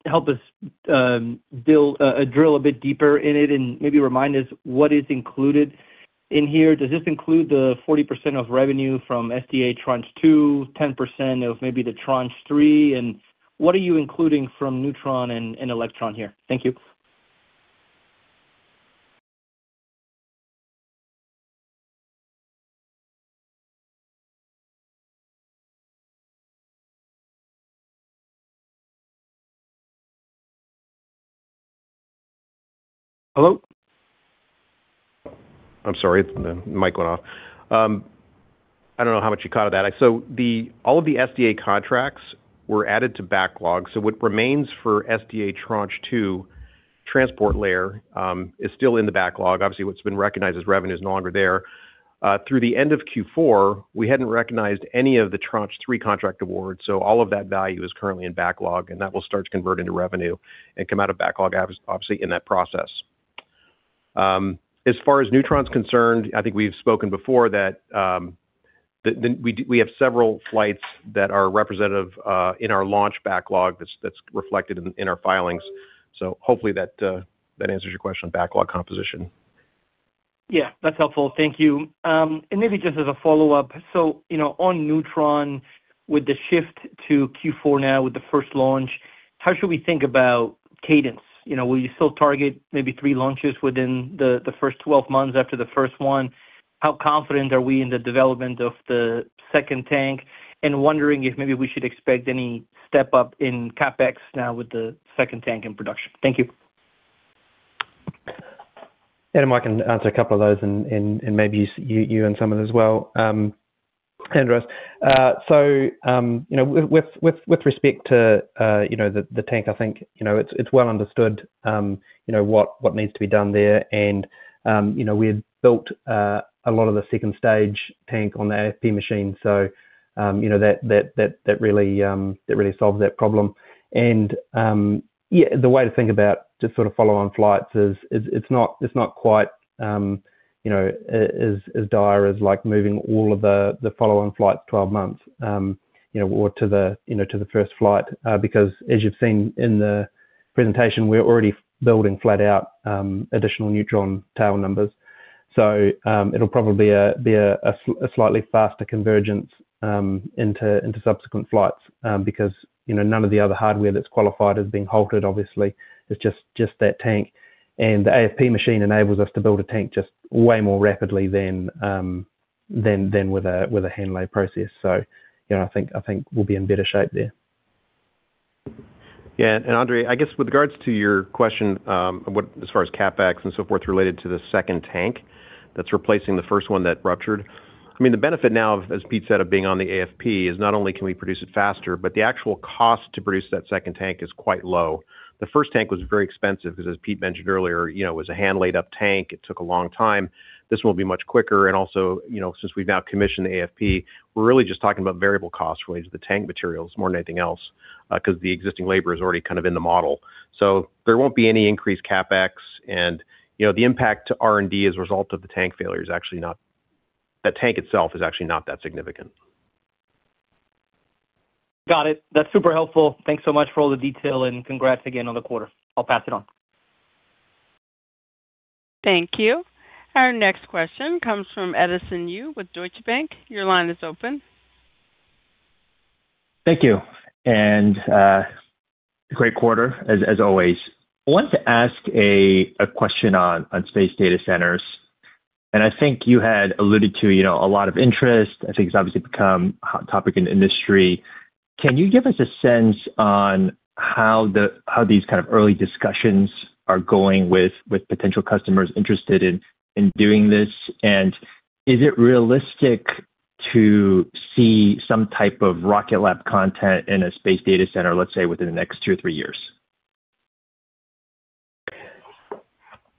help us drill a bit deeper in it and maybe remind us what is included in here. Does this include the 40% of revenue from SDA Tranche 2, 10% of maybe the Tranche 3, and what are you including from Neutron and Electron here? Thank you. Hello? I'm sorry, the mic went off. I don't know how much you caught of that. All of the SDA contracts were added to backlog. What remains for SDA Tranche 2 Transport Layer is still in the backlog. Obviously, what's been recognized as revenue is no longer there. Through the end of Q4, we hadn't recognized any of the Tranche 3 contract awards, all of that value is currently in backlog, and that will start to convert into revenue and come out of backlog, obviously, in that process. As far as Neutron is concerned, I think we've spoken before that we have several flights that are representative in our launch backlog that's reflected in our filings. Hopefully that answers your question on backlog composition. Yeah, that's helpful. Thank you. Maybe just as a follow-up, you know, on Neutron, with the shift to Q4 now with the first launch, how should we think about cadence? You know, will you still target maybe three launches within the first 12 months after the first one? How confident are we in the development of the second tank? Wondering if maybe we should expect any step up in CapEx now with the second tank in production. Thank you. Adam, I can answer a couple of those and maybe you and Simon as well. Andres, you know, with respect to the tank, I think, you know, it's well understood, you know, what needs to be done there. You know, we had built a lot of the second stage tank on the AFP machine. You know, that really solves that problem. Yeah, the way to think about just sort of follow-on flights is it's not quite, you know, as dire as, like, moving all of the follow-on flights 12 months, you know, or to the, you know, to the first flight. Because as you've seen in the presentation, we're already building flat out additional Neutron tail numbers. It'll probably be a slightly faster convergence into subsequent flights because, you know, none of the other hardware that's qualified is being halted. Obviously, it's just that tank. The AFP machine enables us to build a tank just way more rapidly than with a hand-laid process. You know, I think we'll be in better shape there. Andre, I guess with regards to your question, what as far as CapEx and so forth, related to the second tank that's replacing the first one that ruptured. I mean, the benefit now, as Pete said, of being on the AFP is not only can we produce it faster, but the actual cost to produce that second tank is quite low. The first tank was very expensive because as Pete mentioned earlier, you know, it was a hand-laid-up tank. It took a long time. This will be much quicker, and also, you know, since we've now commissioned the AFP, we're really just talking about variable costs related to the tank materials more than anything else, because the existing labor is already kind of in the model. There won't be any increased CapEx, and, you know, the impact to R&D as a result of the tank failure is actually the tank itself is actually not that significant. Got it. That's super helpful. Thanks so much for all the detail. Congrats again on the quarter. I'll pass it on. Thank you. Our next question comes from Edison Yu with Deutsche Bank. Your line is open. Thank you. Great quarter, as always. I wanted to ask a question on space data centers. I think you had alluded to, you know, a lot of interest. I think it's obviously become a hot topic in the industry. Can you give us a sense on how these kind of early discussions are going with potential customers interested in doing this? Is it realistic to see some type of Rocket Lab content in a space data center, let's say, within the next two or three years?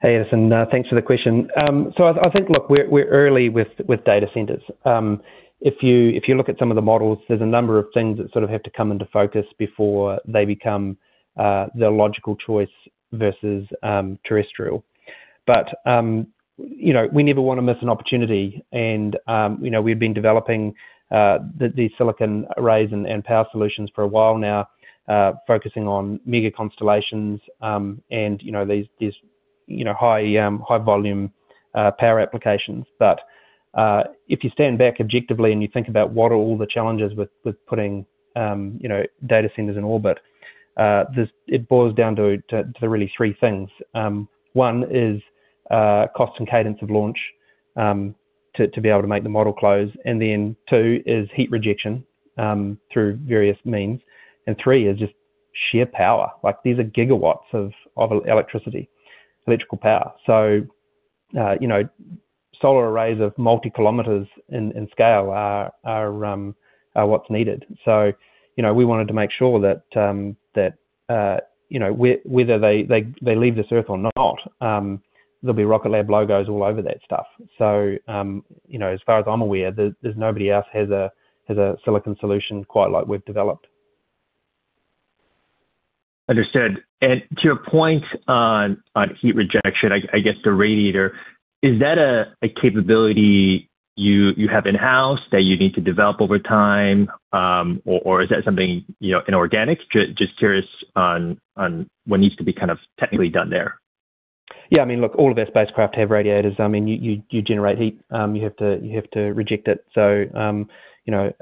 Hey, Edison, thanks for the question. I think, look, we're early with data centers. If you, if you look at some of the models, there's a number of things that sort of have to come into focus before they become the logical choice versus terrestrial. You know, we never wanna miss an opportunity. You know, we've been developing the silicon arrays and power solutions for a while now, focusing on mega constellations, and, you know, these, you know, high, high volume power applications. If you stand back objectively and you think about what are all the challenges with putting, you know, data centers in orbit, it boils down to really three things. One is cost and cadence of launch to be able to make the model close. Two is heat rejection through various means, and three is sheer power, like these are gigawatts of electricity, electrical power. You know, solar arrays of multi-kilometers in scale are what's needed. You know, we wanted to make sure that, you know, whether they leave this earth or not, there'll be Rocket Lab logos all over that stuff. You know, as far as I'm aware, there's nobody else has a silicon solution quite like we've developed. Understood. To your point on heat rejection, I guess the radiator, is that a capability you have in-house that you need to develop over time, or is that something, you know, inorganic? Just curious on what needs to be kind of technically done there. Yeah, I mean, look, all of our spacecraft have radiators. I mean, you generate heat, you have to reject it. you know,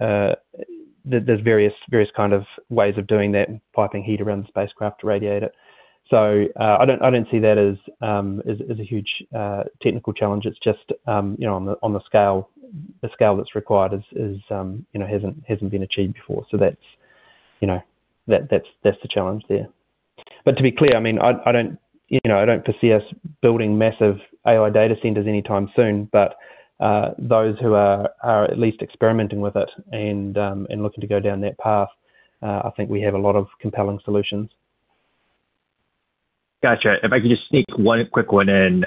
there's various kind of ways of doing that, piping heat around the spacecraft to radiate it. I don't see that as a huge technical challenge. It's just, you know, on the scale... the scale that's required is, you know, hasn't been achieved before. That's, you know, that's the challenge there. To be clear, I mean, I don't, you know, I don't foresee us building massive AI data centers anytime soon. Those who are at least experimenting with it and looking to go down that path, I think we have a lot of compelling solutions. Gotcha. If I could just sneak one quick one in.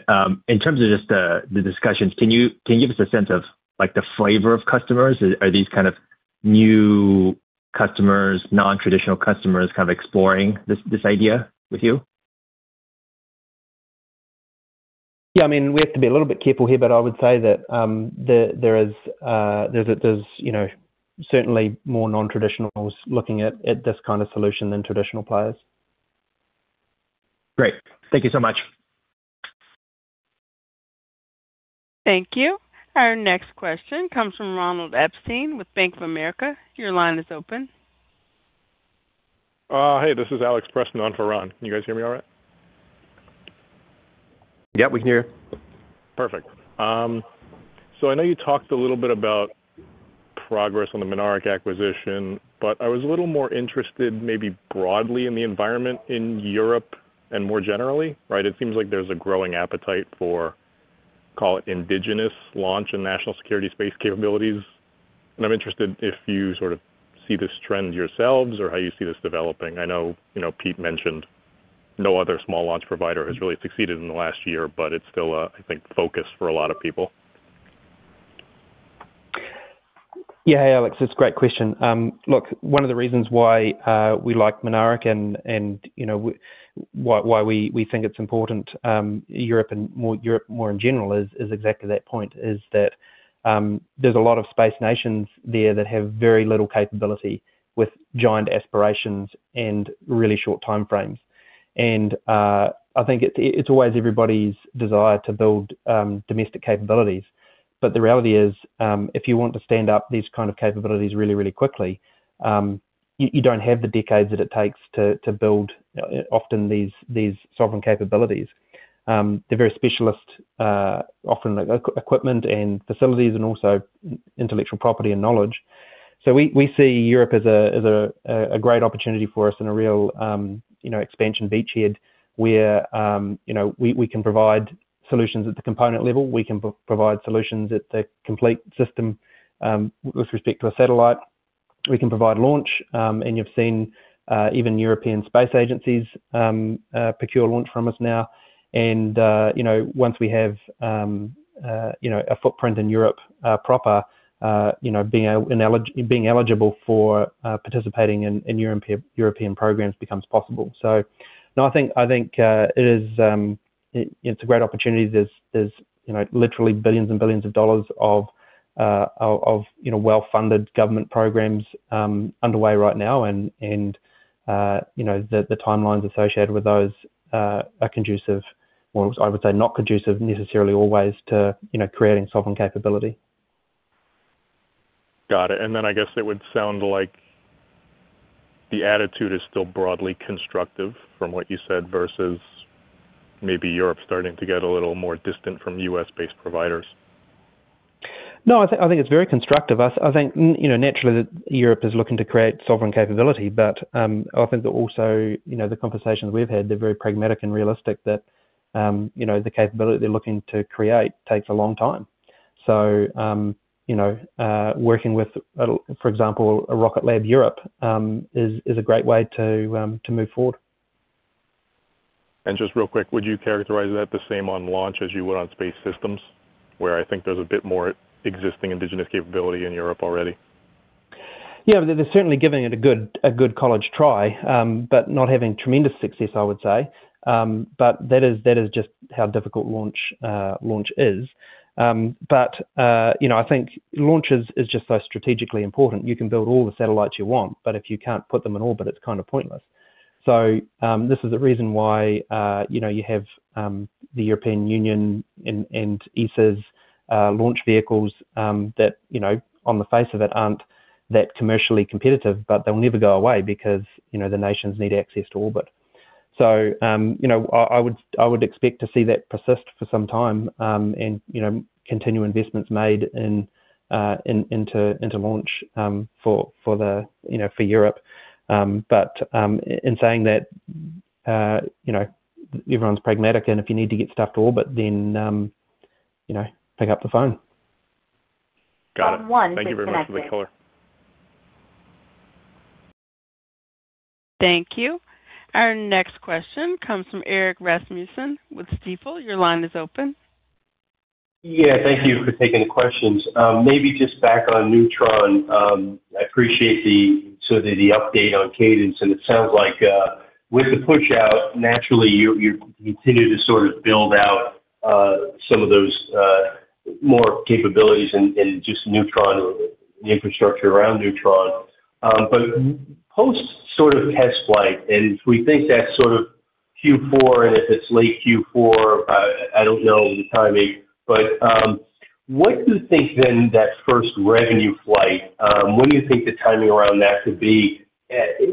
In terms of just the discussions, can you give us a sense of, like, the flavor of customers? Are these kind of new customers, non-traditional customers, kind of exploring this idea with you? Yeah, I mean, we have to be a little bit careful here, but I would say that there is there's, you know, certainly more non-traditionals looking at this kind of solution than traditional players. Great. Thank you so much. Thank you. Our next question comes from Ronald Epstein with Bank of America. Your line is open. Hey, this is Alex Preston on for Ron. Can you guys hear me all right? Yep, we can hear you. Perfect. I know you talked a little bit about progress on the Mynaric acquisition, I was a little more interested, maybe broadly in the environment in Europe and more generally, right? It seems like there's a growing appetite for, call it, indigenous launch and national security space capabilities. I'm interested if you sort of see this trend yourselves or how you see this developing. I know, you know, Pete mentioned no other small launch provider has really succeeded in the last year, it's still, I think, focus for a lot of people. Yeah. Hey, Alex, it's a great question. Look, one of the reasons why we like Mynaric and, you know, why we think it's important, Europe and more, Europe more in general, is exactly that point. Is that, there's a lot of space nations there that have very little capability with giant aspirations and really short time frames. I think it's always everybody's desire to build domestic capabilities. The reality is, if you want to stand up these kind of capabilities really, really quickly, you don't have the decades that it takes to build often these sovereign capabilities. They're very specialist, often equipment and facilities, and also intellectual property and knowledge. We see Europe as a, as a great opportunity for us and a real, you know, expansion beachhead, where, you know, we can provide solutions at the component level. We can provide solutions at the complete system, with respect to a satellite. We can provide launch, and you've seen, even European Space Agencies procure launch from us now. You know, once we have, you know, a footprint in Europe, proper, you know, being eligible for, participating in European programs becomes possible. No, I think, it is, it's a great opportunity. There's, you know, literally billions and billions of dollars of, you know, well-funded government programs, underway right now. You know, the timelines associated with those, are conducive or I would say, not conducive necessarily always to, you know, creating sovereign capability. Got it. Then I guess it would sound like the attitude is still broadly constructive from what you said, versus maybe Europe starting to get a little more distant from U.S.-based providers. No, I think it's very constructive. I think, you know, naturally, that Europe is looking to create sovereign capability, but, I think that also, you know, the conversations we've had, they're very pragmatic and realistic that, you know, the capability they're looking to create takes a long time. You know, working with, for example, a Rocket Lab Europe, is a great way to move forward. Just real quick, would you characterize that the same on launch as you would on space systems, where I think there's a bit more existing indigenous capability in Europe already? Yeah, they're certainly giving it a good, a good college try, but not having tremendous success, I would say. That is just how difficult launch launch is. You know, I think launches is just so strategically important. You can build all the satellites you want, but if you can't put them in orbit, it's kind of pointless. This is the reason why, you know, you have the European Union and ESA's launch vehicles that, you know, on the face of it, aren't that commercially competitive, but they'll never go away because, you know, the nations need access to orbit. You know, I would expect to see that persist for some time, and, you know, continue investments made into launch for the, you know, for Europe. In saying that, you know, everyone's pragmatic, and if you need to get stuff to orbit, then, you know, pick up the phone. Got it. Thank you very much for the call. Thank you. Our next question comes from Erik Rasmussen with Stifel. Your line is open. Yeah, thank you for taking the questions. Maybe just back on Neutron. I appreciate the update on cadence, it sounds like with the push out, naturally, you continue to sort of build out some of those more capabilities in just Neutron or the infrastructure around Neutron. Post sort of test flight, if we think that's sort of Q4, if it's late Q4, I don't know the timing, what do you think then that first revenue flight, when do you think the timing around that could be?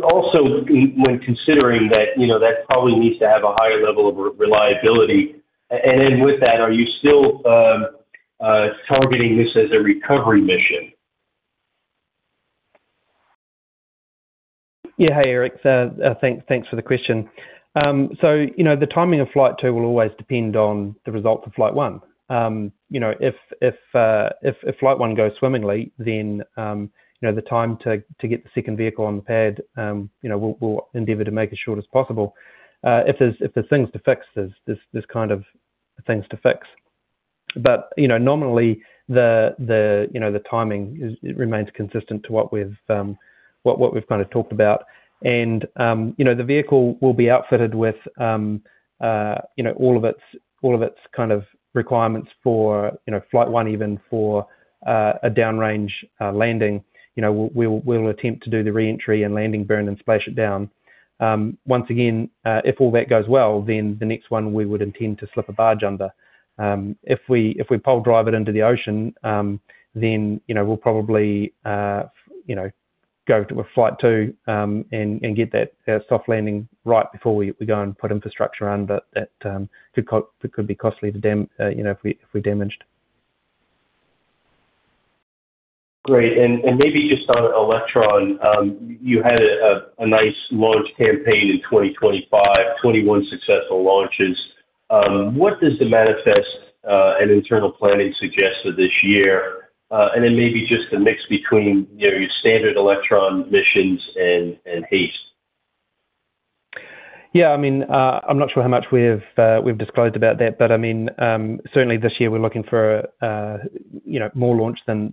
Also, when considering that, you know, that probably needs to have a higher level of reliability. Then with that, are you still targeting this as a recovery mission? Yeah. Hey, Erik, thanks for the question. You know, the timing of Flight two will always depend on the result of Flight one. You know, if Flight one goes swimmingly, then, you know, the time to get the second vehicle on the pad, you know, we'll endeavor to make as short as possible. If there's things to fix, there's kind of things to fix. You know, nominally, you know, the timing is, it remains consistent to what we've kind of talked about. You know, the vehicle will be outfitted with, you know, all of its kind of requirements for, you know, Flight one, even for a downrange landing. You know, we'll attempt to do the reentry and landing burn and splash it down. Once again, if all that goes well, then the next one we would intend to slip a barge under. If we pole drive it into the ocean, then, you know, we'll probably, you know, go to a flight two, and get that soft landing right before we go and put infrastructure on. That could be costly, you know, if we damaged. Great. Maybe just on Electron, you had a nice launch campaign in 2025, 21 successful launches. What does the manifest and internal planning suggest for this year? Maybe just the mix between, you know, your standard Electron missions and HASTE? Yeah, I mean, I'm not sure how much we've disclosed about that, but I mean, certainly this year we're looking for, you know, more launch than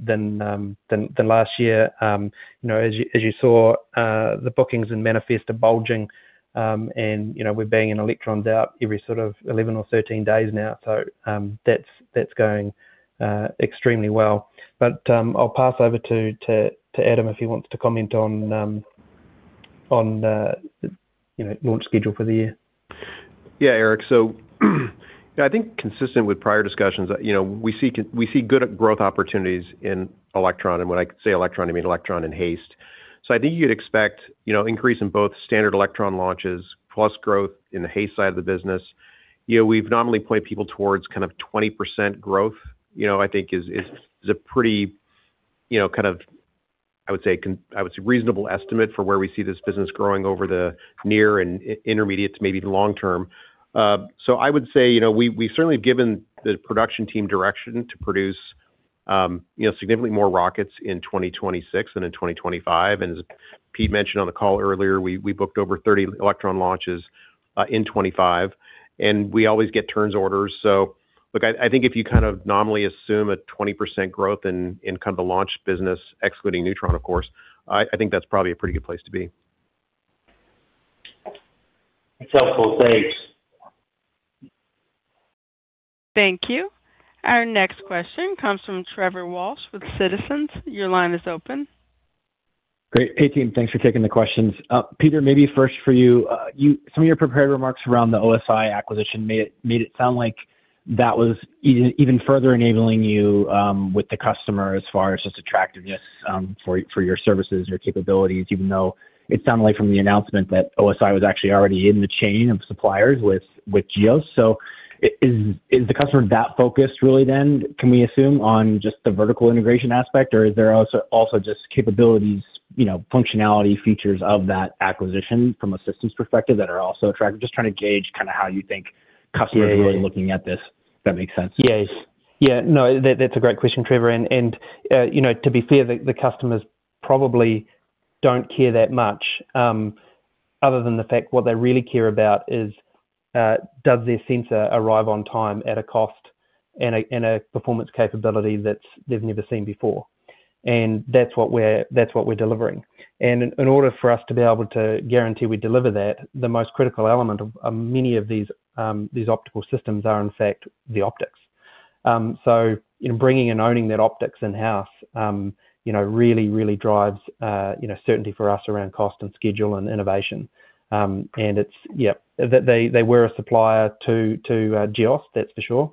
last year. You know, as you saw, the bookings and manifest are bulging, and, you know, we're banging an Electron out every sort of 11 or 13 days now. That's going extremely well. I'll pass over to Adam, if he wants to comment on, you know, launch schedule for the year. Yeah, Erik. I think consistent with prior discussions, you know, we see good growth opportunities in Electron, and when I say Electron, I mean Electron and HASTE. I think you'd expect, you know, increase in both standard Electron launches plus growth in the HASTE side of the business. You know, we've nominally pointed people towards kind of 20% growth. You know, I think is a pretty, you know, kind of, I would say, reasonable estimate for where we see this business growing over the near and intermediate to maybe long term. I would say, you know, we've certainly given the production team direction to produce, you know, significantly more rockets in 2026 and in 2025. As Pete mentioned on the call earlier, we booked over 30 Electron launches in 2025, and we always get turns orders. Look, I think if you kind of nominally assume a 20% growth in kind of the launch business, excluding Neutron, of course, I think that's probably a pretty good place to be. That's helpful. Thanks. Thank you. Our next question comes from Trevor Walsh with Citizens. Your line is open. Great. Hey, team. Thanks for taking the questions. Peter, maybe first for you. Some of your prepared remarks around the OSI acquisition made it sound like that was even further enabling you with the customer as far as just attractiveness for your services, your capabilities, even though it sounded like from the announcement that OSI was actually already in the chain of suppliers with Geost. Is the customer that focused really, then, can we assume on just the vertical integration aspect, or is there also just capabilities, you know, functionality, features of that acquisition from a systems perspective that are also attractive? Just trying to gauge kind of how you think customers. Yeah are looking at this, if that makes sense. Yes. Yeah, no, that's a great question, Trevor, and, you know, to be fair, the customers probably don't care that much, other than the fact what they really care about is, does their sensor arrive on time at a cost and a performance capability that they've never seen before? That's what we're delivering. In order for us to be able to guarantee we deliver that, the most critical element of many of these optical systems are, in fact, the optics. You know, bringing and owning that optics in-house, you know, really drives, you know, certainty for us around cost and schedule and innovation. It's. Yeah, they were a supplier to Geost, that's for sure.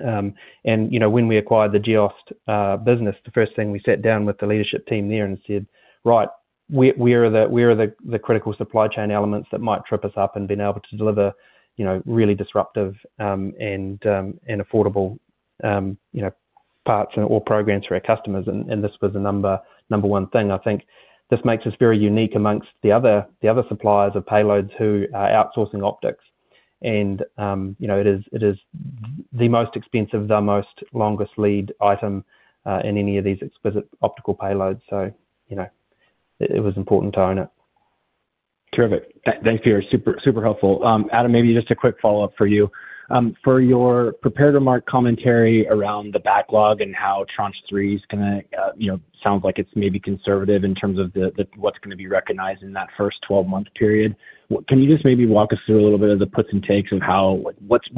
you know, when we acquired the Geost business, the first thing, we sat down with the leadership team there and said, "Right, where are the critical supply chain elements that might trip us up in being able to deliver, you know, really disruptive and affordable, you know, parts or programs for our customers?" This was the number one thing. I think this makes us very unique amongst the other suppliers of payloads who are outsourcing optics. you know, it is the most expensive, the longest lead item in any of these exquisite optical payloads. you know, it was important to own it. Terrific. Thanks, Peter. Super, super helpful. Adam, maybe just a quick follow-up for you. For your prepared remark commentary around the backlog and how Tranche III is gonna, you know, sounds like it's maybe conservative in terms of the what's gonna be recognized in that first 12-month period. Can you just maybe walk us through a little bit of the puts and takes of how what's,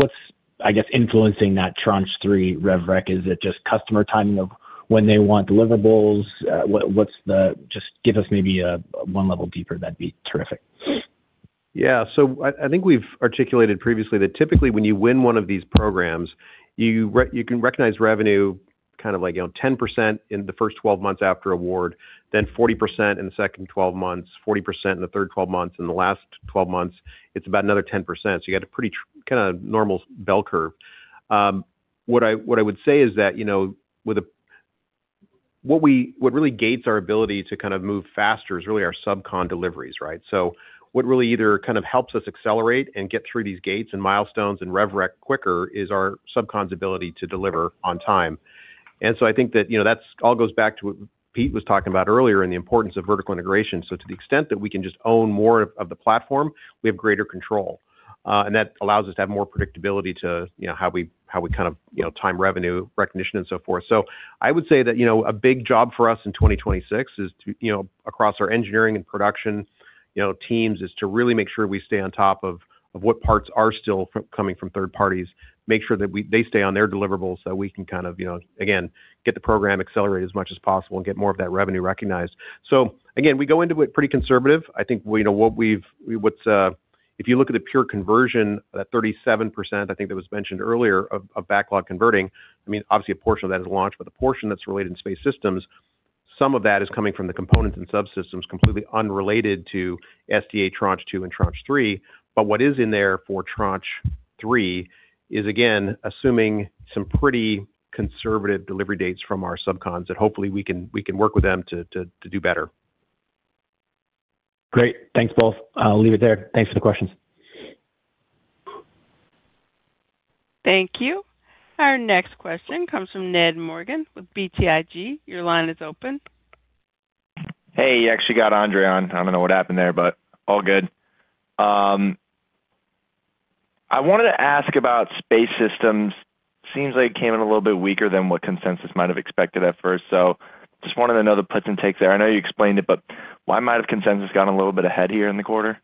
I guess, influencing that Tranche III rev rec? Is it just customer timing of when they want deliverables? What's the just give us maybe a one level deeper, that'd be terrific. Yeah. I think we've articulated previously that typically when you win one of these programs, you can recognize revenue, you know, 10% in the first 12 months after award, then 40% in the second 12 months, 40% in the third 12 months, and the last 12 months, it's about another 10%. You got a pretty kind of normal bell curve. What I would say is that, you know, what really gates our ability to kind of move faster is really our subcon deliveries, right? What really either kind of helps us accelerate and get through these gates and milestones and rev rec quicker is our subcon's ability to deliver on time. I think that, you know, that's all goes back to what Pete was talking about earlier, and the importance of vertical integration. To the extent that we can just own more of the platform, we have greater control. And that allows us to have more predictability to, you know, how we kind of, you know, time revenue recognition and so forth. I would say that, you know, a big job for us in 2026 is to, you know, across our engineering and production, you know, teams, is to really make sure we stay on top of what parts are still coming from third parties. Make sure that they stay on their deliverables, so we can kind of, you know, again, get the program accelerated as much as possible and get more of that revenue recognized. Again, we go into it pretty conservative. I think, you know, what's, if you look at the pure conversion, that 37%, I think that was mentioned earlier, of backlog converting, I mean, obviously a portion of that is launch, but the portion that's related to space systems, some of that is coming from the components and subsystems completely unrelated to SDA Tranche 2 and Tranche 3. What is in there for Tranche 3 is, again, assuming some pretty conservative delivery dates from our subcons, that hopefully we can work with them to do better. Great. Thanks, both. I'll leave it there. Thanks for the questions. Thank you. Our next question comes from Ned Morgan with BTIG. Your line is open. Hey, you actually got Andre on. I don't know what happened there, but all good. I wanted to ask about space systems. Seems like it came in a little bit weaker than what consensus might have expected at first. Just wanted to know the puts and takes there. I know you explained it, why might have consensus gotten a little bit ahead here in the quarter?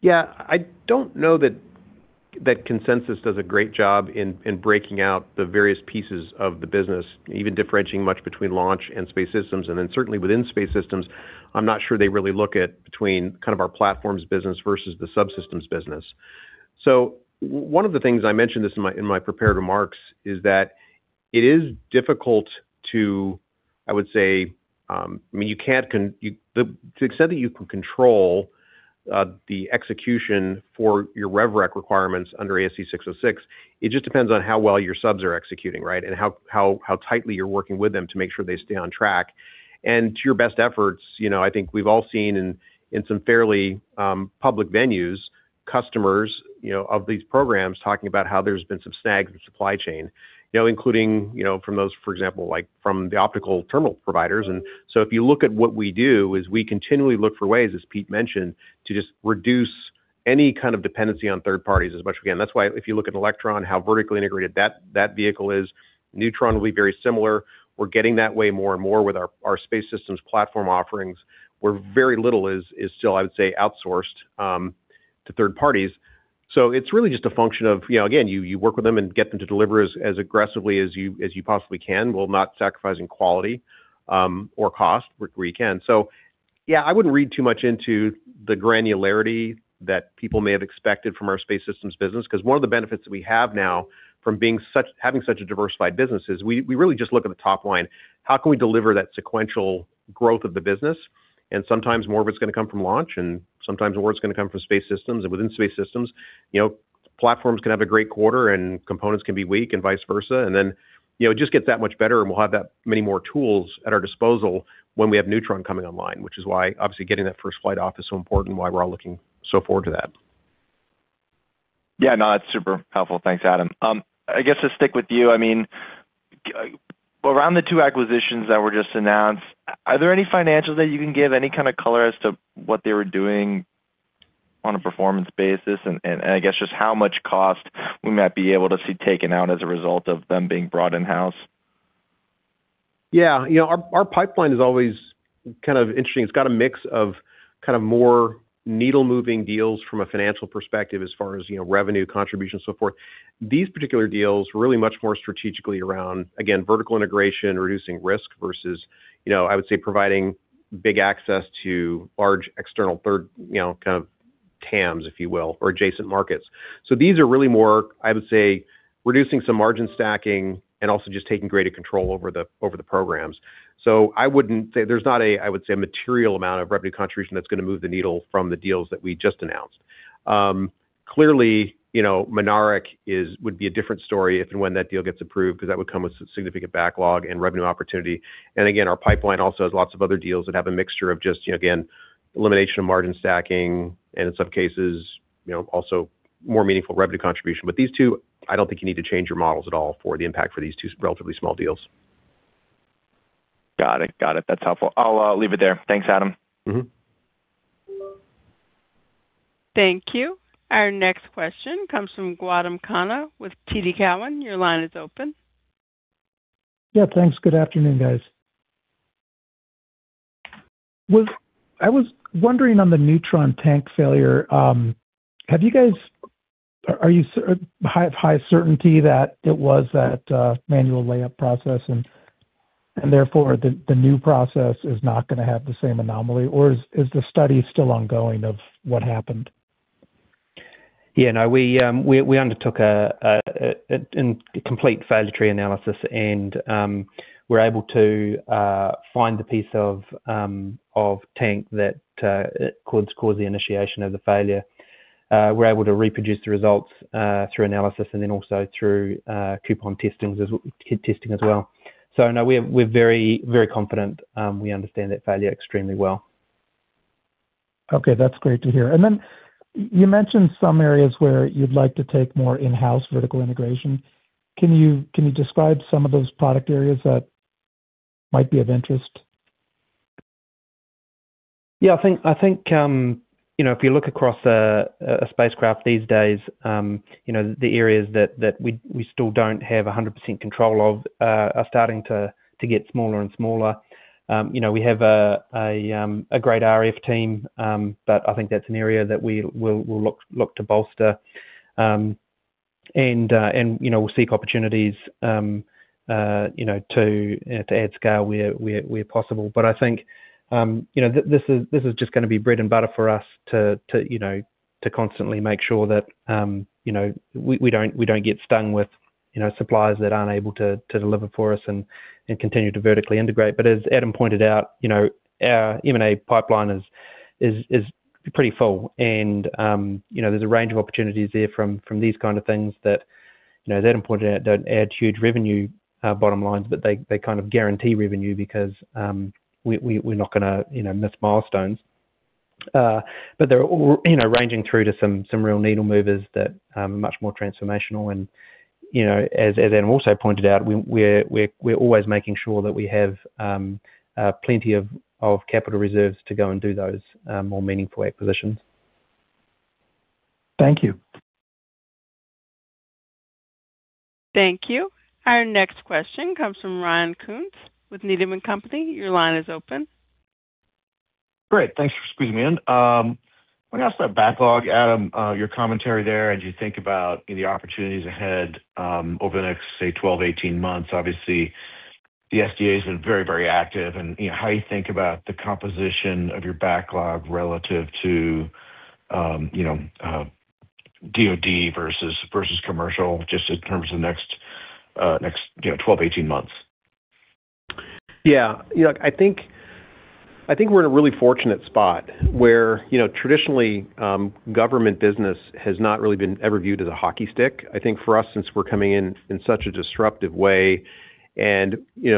Yeah, I don't know that consensus does a great job in breaking out the various pieces of the business, even differentiating much between launch and space systems. Certainly within space systems, I'm not sure they really look at between kind of our platforms business versus the subsystems business. One of the things I mentioned this in my, in my prepared remarks, is that it is difficult to, I would say, I mean, you can't the, to the extent that you can control, the execution for your rev rec requirements under ASC 606, it just depends on how well your subs are executing, right? How tightly you're working with them to make sure they stay on track. To your best efforts, you know, I think we've all seen in some fairly public venues, customers, you know, of these programs, talking about how there's been some snags in supply chain. You know, including, you know, from those, for example, like from the optical terminal providers. If you look at what we do, is we continually look for ways, as Pete mentioned, to just reduce any kind of dependency on third parties as much. Again, that's why if you look at Electron, how vertically integrated that vehicle is, Neutron will be very similar. We're getting that way more and more with our space systems platform offerings, where very little is still, I would say, outsourced to third parties. It's really just a function of, you know, again, you work with them and get them to deliver as aggressively as you possibly can, while not sacrificing quality, or cost where you can. Yeah, I wouldn't read too much into the granularity that people may have expected from our space systems business. 'Cause one of the benefits we have now from having such a diversified business, is we really just look at the top line. How can we deliver that sequential growth of the business? Sometimes more of it's gonna come from launch, and sometimes awards are gonna come from space systems. Within space systems, you know, platforms can have a great quarter, and components can be weak, and vice versa. you know, it just gets that much better, and we'll have that many more tools at our disposal when we have Neutron coming online, which is why obviously getting that first flight off is so important, and why we're all looking so forward to that. Yeah, no, that's super helpful. Thanks, Adam. I guess to stick with you, I mean, around the two acquisitions that were just announced, are there any financials that you can give, any kind of color as to what they were doing on a performance basis? And I guess just how much cost we might be able to see taken out as a result of them being brought in-house? You know, our pipeline is always kind of interesting. It's got a mix of kind of more needle-moving deals from a financial perspective, as far as, you know, revenue, contribution, and so forth. These particular deals were really much more strategically around, again, vertical integration, reducing risk, versus, you know, I would say, providing big access to large external third, you know, TAMS, if you will, or adjacent markets. These are really more, I would say, reducing some margin stacking and also just taking greater control over the programs. There's not a, I would say, a material amount of revenue contribution that's going to move the needle from the deals that we just announced. Clearly, you know, Mynaric is, would be a different story if and when that deal gets approved, because that would come with significant backlog and revenue opportunity. Again, our pipeline also has lots of other deals that have a mixture of just, you know, again, elimination of margin stacking and in some cases, you know, also more meaningful revenue contribution. These two, I don't think you need to change your models at all for the impact for these two relatively small deals. Got it. That's helpful. I'll leave it there. Thanks, Adam. Mm-hmm. Thank you. Our next question comes from Gautam Khanna with TD Cowen. Your line is open. Yeah, thanks. Good afternoon, guys. I was wondering on the Neutron tank failure, have you guys have high certainty that it was that manual layup process and therefore, the new process is not gonna have the same anomaly? Or is the study still ongoing of what happened? Yeah, no, we undertook a complete failure tree analysis, and we're able to find the piece of tank that caused the initiation of the failure. We're able to reproduce the results through analysis and then also through coupon testing as well. We're very, very confident, we understand that failure extremely well. Okay, that's great to hear. Then you mentioned some areas where you'd like to take more in-house vertical integration. Can you describe some of those product areas that might be of interest? Yeah, I think, you know, if you look across a spacecraft these days, you know, the areas that we still don'00% control of, are starting to get smaller and smaller. You know, we have a great RF team, but I think that's an area that we'll look to bolster. And, you know, we'll seek opportunities, you know, to add scale where possible. I think, you know, this is just gonna be bread and butter for us to, you know, to constantly make sure that, you know, we don't get stung with, you know, suppliers that aren't able to deliver for us and continue to vertically integrate. As Adam pointed out, you know, our M&A pipeline is pretty full. There's a range of opportunities there from these kind of things that, you know, Adam pointed out, don't add huge revenue bottom lines, but they kind of guarantee revenue because we're not gonna, you know, miss milestones. They're all, you know, ranging through to some real needle movers that are much more transformational. You know, as Adam also pointed out, we're always making sure that we have plenty of capital reserves to go and do those more meaningful acquisitions. Thank you. Thank you. Our next question comes from Ryan Koontz with Needham & Company. Your line is open. Great. Thanks for squeezing me in. I want to ask about backlog, Adam, your commentary there, as you think about the opportunities ahead, over the next, say, 12, 18 months. Obviously, the SDAs are very active. You know, how you think about the composition of your backlog relative to, you know, DOD versus commercial, just in terms of the next, you know, 12, 18 months. Yeah, you know, I think we're in a really fortunate spot where, you know, traditionally, government business has not really been ever viewed as a hockey stick. I think for us, since we're coming in such a disruptive way and, you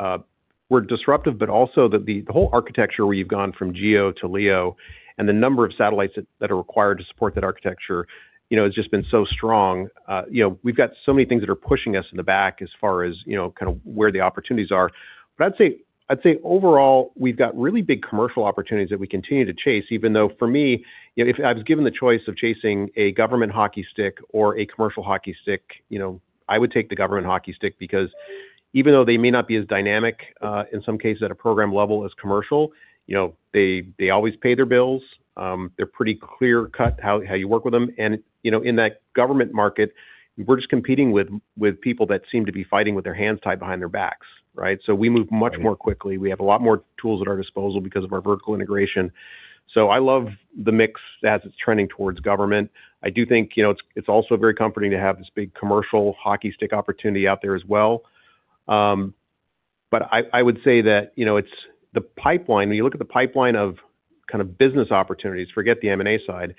know, we're disruptive, but also the whole architecture, where you've gone from GEO to LEO and the number of satellites that are required to support that architecture, you know, has just been so strong. You know, we've got so many things that are pushing us in the back as far as, you know, kind of where the opportunities are. I'd say overall, we've got really big commercial opportunities that we continue to chase, even though, for me, you know, if I was given the choice of chasing a government hockey stick or a commercial hockey stick, you know, I would take the government hockey stick because even though they may not be as dynamic, in some cases at a program level as commercial, you know, they always pay their bills. They're pretty clear-cut how you work with them. You know, in that government market, we're just competing with people that seem to be fighting with their hands tied behind their backs, right? We move much more quickly. We have a lot more tools at our disposal because of our vertical integration. I love the mix as it's trending towards government. I do think, you know, it's also very comforting to have this big commercial hockey stick opportunity out there as well. I would say that, you know, it's the pipeline. When you look at the pipeline of kind of business opportunities, forget the M&A side,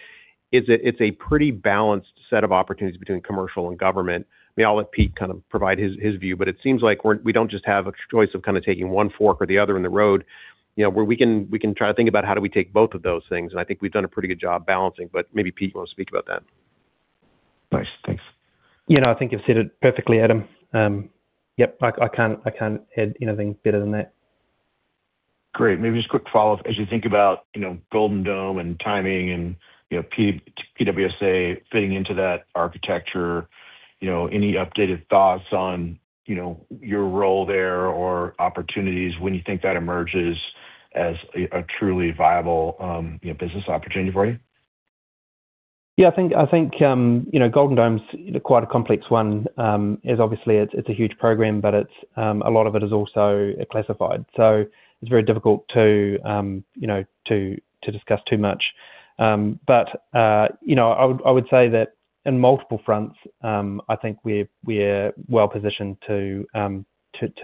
is it's a pretty balanced set of opportunities between commercial and government. I'll let Pete kind of provide his view, but it seems like we don't just have a choice of kind of taking one fork or the other in the road, you know, where we can, we can try to think about how do we take both of those things. I think we've done a pretty good job balancing, but maybe Pete want to speak about that. Nice. Thanks. You know, I think you've said it perfectly, Adam. Yep, I can't add anything better than that. Great. Maybe just a quick follow-up. As you think about, you know, Golden Dome and timing and, you know, PWSA fitting into that architecture, you know, any updated thoughts on, you know, your role there or opportunities when you think that emerges as a truly viable, you know, business opportunity for you? Yeah, I think, you know, Golden Dome's quite a complex one, is obviously it's a huge program, but a lot of it is also classified, so it's very difficult to, you know, discuss too much. You know, I would say that in multiple fronts, I think we're well-positioned to, you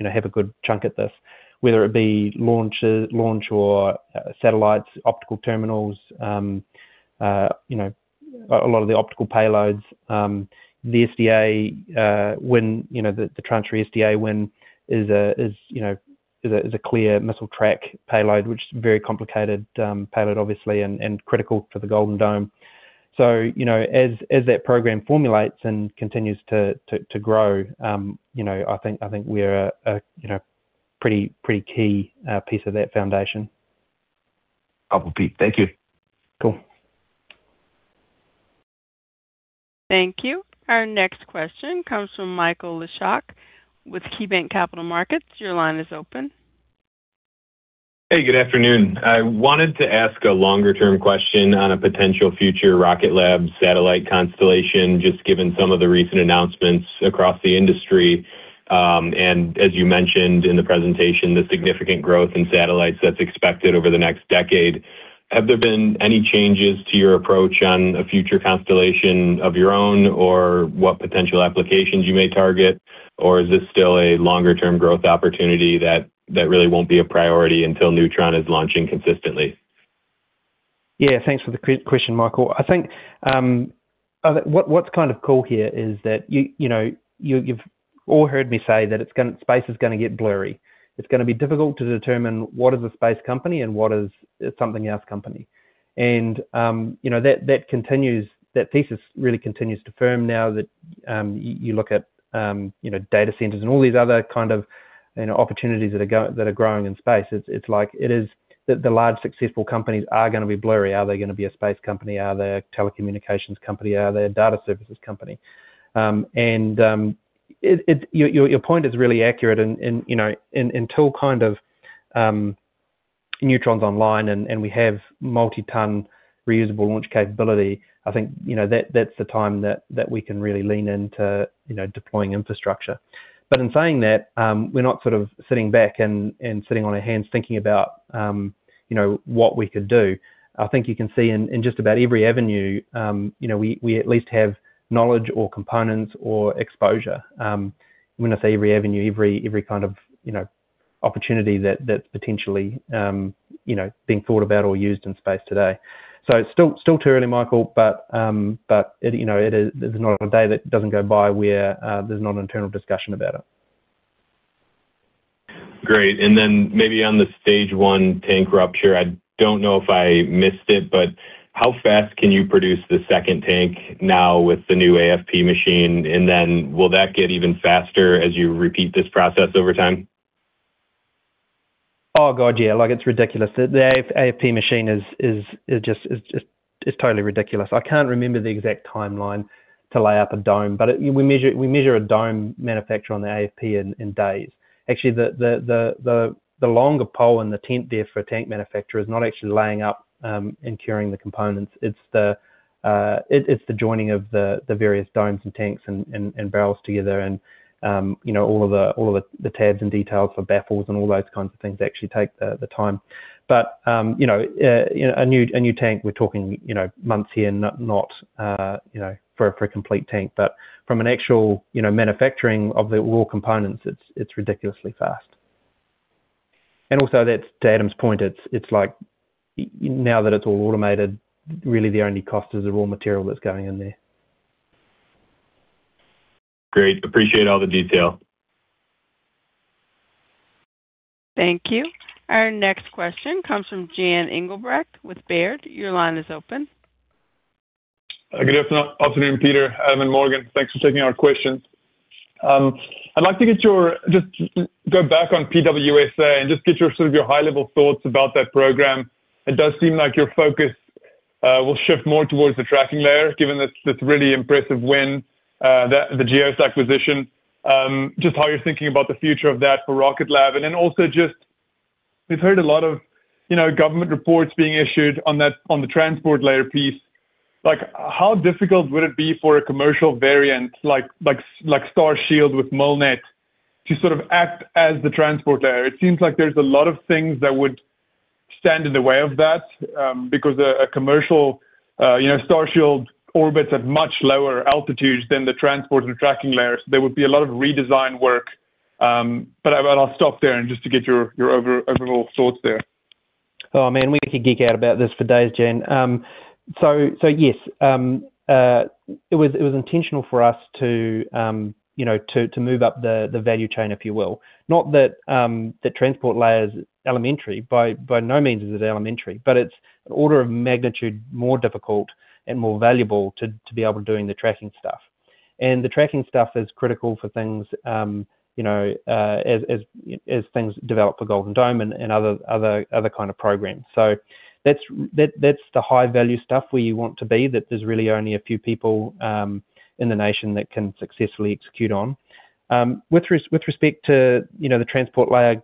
know, have a good chunk at this, whether it be launches, launch or satellites, optical terminals, you know, a lot of the optical payloads. The SDA, when, you know, the Tranche SDA win is, you know, a clear missile track payload, which is a very complicated payload obviously, and critical for the Golden Dome. You know, as that program formulates and continues to grow, you know, I think we're a, you know, pretty key piece of that foundation. I'll repeat. Thank you. Cool. Thank you. Our next question comes from Michael Leshock with KeyBanc Capital Markets. Your line is open. Hey, good afternoon. I wanted to ask a longer-term question on a potential future Rocket Lab satellite constellation, just given some of the recent announcements across the industry. As you mentioned in the presentation, the significant growth in satellites that's expected over the next decade. Have there been any changes to your approach on a future constellation of your own, or what potential applications you may target? Is this still a longer-term growth opportunity that really won't be a priority until Neutron is launching consistently? Yeah, thanks for the question, Michael. I think what's kind of cool here is that you know, you've all heard me say that it's gonna space is gonna get blurry. It's gonna be difficult to determine what is a space company and what is a something else company. you know, that continues, that thesis really continues to firm now that you look at, you know, data centers and all these other kind of, you know, opportunities that are growing in space. It's like it is that the large successful companies are gonna be blurry. Are they gonna be a space company? Are they a telecommunications company? Are they a data services company? Your point is really accurate, you know, until kind of Neutron's online and we have multi-ton reusable launch capability, I think, you know, that's the time we can really lean into, you know, deploying infrastructure. In saying that, we're not sort of sitting back sitting on our hands thinking about, you know, what we could do. I think you can see in just about every avenue, you know, we at least have knowledge or components or exposure. When I say every avenue, every kind of, you know, opportunity, you know, being thought about or used in space today. It's still too early, Michael, but, it, you know, it is, there's not a day that doesn't go by where, there's not an internal discussion about it. Great. Maybe on the stage one tank rupture, I don't know if I missed it, but how fast can you produce the second tank now with the new AFP machine? Will that get even faster as you repeat this process over time? Oh, God, yeah. Like, it's ridiculous. The AFP machine is just, it's totally ridiculous. I can't remember the exact timeline to lay up a dome, but We measure a dome manufacture on the AFP in days. Actually, the longer pole in the tent there for a tank manufacturer is not actually laying up and curing the components. It's the joining of the various domes and tanks and barrels together and, you know, all the tabs and details for baffles and all those kinds of things actually take the time. You know, you know, a new tank, we're talking, you know, months here, not, you know, for a complete tank. From an actual, you know, manufacturing of the raw components, it's ridiculously fast. That's to Adam's point, it's like now that it's all automated, really the only cost is the raw material that's going in there. Great. Appreciate all the detail. Thank you. Our next question comes from Jan Engelbrecht with Baird. Your line is open. Good afternoon, Peter, Adam, and Morgan. Thanks for taking our questions. I'd like to just go back on PWSA and just get your sort of your high-level thoughts about that program. It does seem like your focus will shift more towards the Tracking Layer, given this really impressive win, the Geost acquisition. Just how you're thinking about the future of that for Rocket Lab. Also just, we've heard a lot of, you know, government reports being issued on the Transport Layer piece. Like, how difficult would it be for a commercial variant like Starshield with Molniya, to sort of act as the Transport Layer? It seems like there's a lot of things that would stand in the way of that, because a commercial, you know, Starshield orbits at much lower altitudes than the Transport Layer and Tracking Layer. There would be a lot of redesign work. I'll stop there and just to get your overall thoughts there. We could geek out about this for days, Jan. Yes, it was intentional for us to, you know, to move up the value chain, if you will. Not that the Transport Layer is elementary. By no means is it elementary, but it's an order of magnitude more difficult and more valuable to be able to doing the tracking stuff. The tracking stuff is critical for things, you know, as things develop for Golden Dome and other kind of programs. That's the high-value stuff where you want to be, that there's really only a few people in the nation that can successfully execute on. With respect to, you know, the Transport Layer,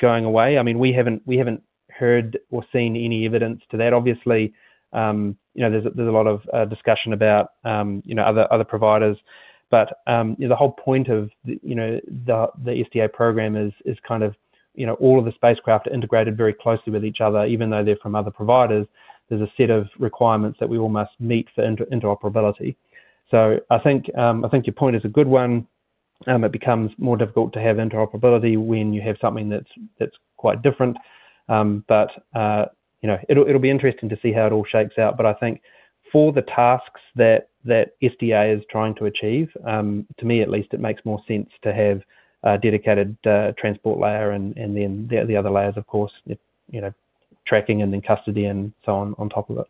going away, I mean, we haven't heard or seen any evidence to that. Obviously, you know, there's a lot of discussion about, you know, other providers. The whole point of the, you know, the SDA program is kind of-... you know, all of the spacecraft are integrated very closely with each other, even though they're from other providers. There's a set of requirements that we all must meet for interoperability. I think, I think your point is a good one, it becomes more difficult to have interoperability when you have something that's quite different. You know, it'll be interesting to see how it all shapes out. I think for the tasks that SDA is trying to achieve, to me at least, it makes more sense to have a dedicated Transport Layer and then the other layers, of course, you know, Tracking Layer and then custody and so on top of it.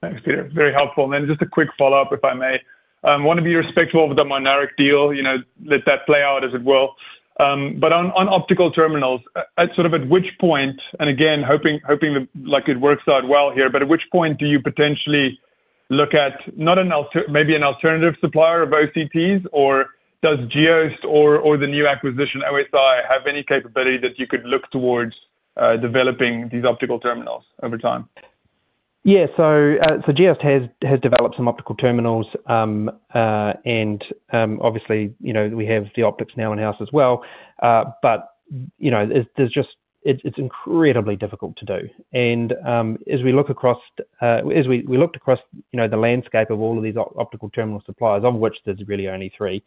Thanks, Peter. Very helpful. Just a quick follow-up, if I may. Want to be respectful of the Mynaric deal, you know, let that play out as it will. On optical terminals, at sort of at which point and again, hoping that, like, it works out well here, at which point do you potentially look at not an alternative supplier of OCTs, or does Geost or the new acquisition, OSI, have any capability that you could look towards developing these optical terminals over time? So Geost has developed some optical terminals. Obviously, you know, we have the optics now in-house as well. But, you know, it's incredibly difficult to do. As we looked across, you know, the landscape of all of these optical terminal suppliers, of which there's really only three,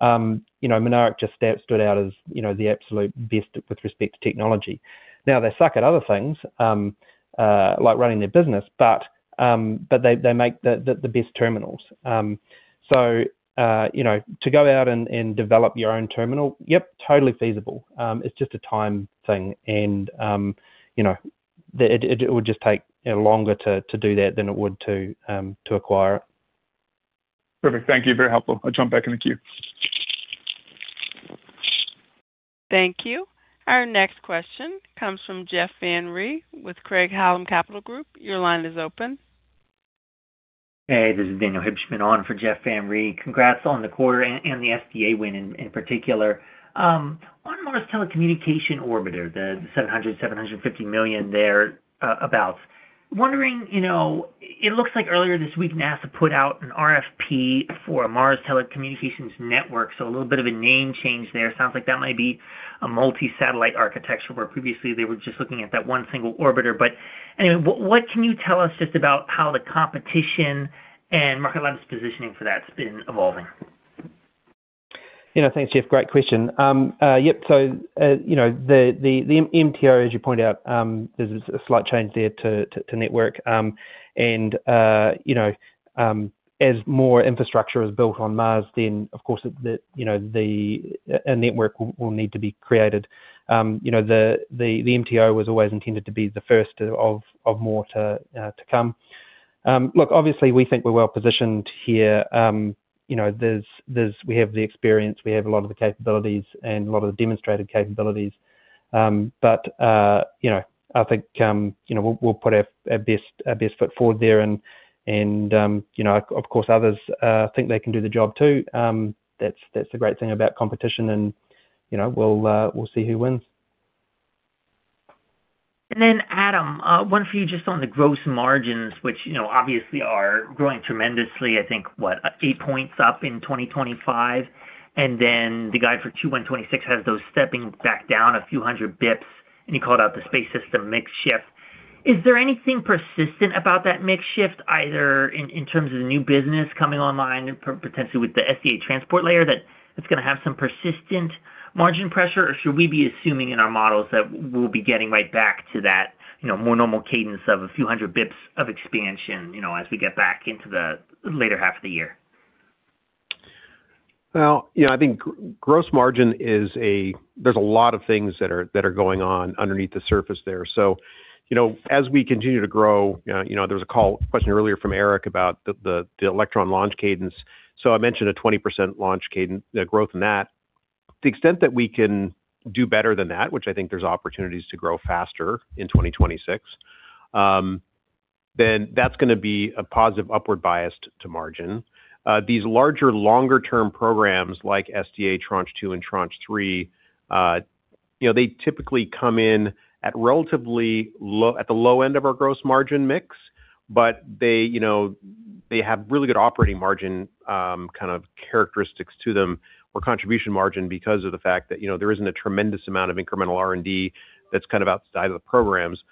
you know, Mynaric just stood out as, you know, the absolute best with respect to technology. They suck at other things, like running their business, but they make the best terminals. So, you know, to go out and develop your own terminal, yep, totally feasible. It's just a time thing, and, you know, the... It would just take longer to do that than it would to acquire it. Perfect. Thank you. Very helpful. I'll jump back in the queue. Thank you. Our next question comes from Jeff Van Rhee with Craig-Hallum Capital Group. Your line is open. Hey, this is Daniel Hibshman on for Jeff Van Rhee. Congrats on the quarter and the SDA win in particular. On Mars Telecommunications Orbiter, the $700 million-$750 million there, about. Wondering, you know, it looks like earlier this week, NASA put out an RFP for a Mars telecommunications network, so a little bit of a name change there. Sounds like that might be a multi-satellite architecture, where previously they were just looking at that one single orbiter. Anyway, what can you tell us just about how the competition and market line's positioning for that's been evolving? You know, thanks, Jeff. Great question. You know, the MTO, as you pointed out, there's a slight change there to network. As more infrastructure is built on Mars, then, of course, the a network will need to be created. You know, the MTO was always intended to be the first of more to come. Look, obviously we think we're well-positioned here. You know, we have the experience, we have a lot of the capabilities and a lot of the demonstrated capabilities. You know, I think, you know, we'll put our best foot forward there, and, you know, of course, others think they can do the job, too. That's the great thing about competition and, you know, we'll see who wins. Adam, one for you, just on the gross margins, which, you know, obviously are growing tremendously. I think, what? eight points up in 2025, and then the guide for 2026 has those stepping back down a few hundred basis points, and you called out the space system mix shift. Is there anything persistent about that mix shift, either in terms of the new business coming online, potentially with the SDA Transport Layer, that it's gonna have some persistent margin pressure? Or should we be assuming in our models that we'll be getting right back to that, you know, more normal cadence of a few hundred basis points of expansion, you know, as we get back into the later half of the year? Well, you know, I think gross margin is there's a lot of things that are going on underneath the surface there. You know, as we continue to grow, you know, there was a question earlier from Erik Rasmussen about the Electron launch cadence. I mentioned a 20% launch cadence, the growth in that. The extent that we can do better than that, which I think there's opportunities to grow faster in 2026, then that's gonna be a positive upward bias to margin. These larger, longer term programs like SDA Tranche 2 and Tranche 3, you know, they typically come in at relatively at the low end of our gross margin mix. They, you know, they have really good operating margin, kind of characteristics to them, or contribution margin because of the fact that, you know, there isn't a tremendous amount of incremental R&D that's kind of outside of the programs.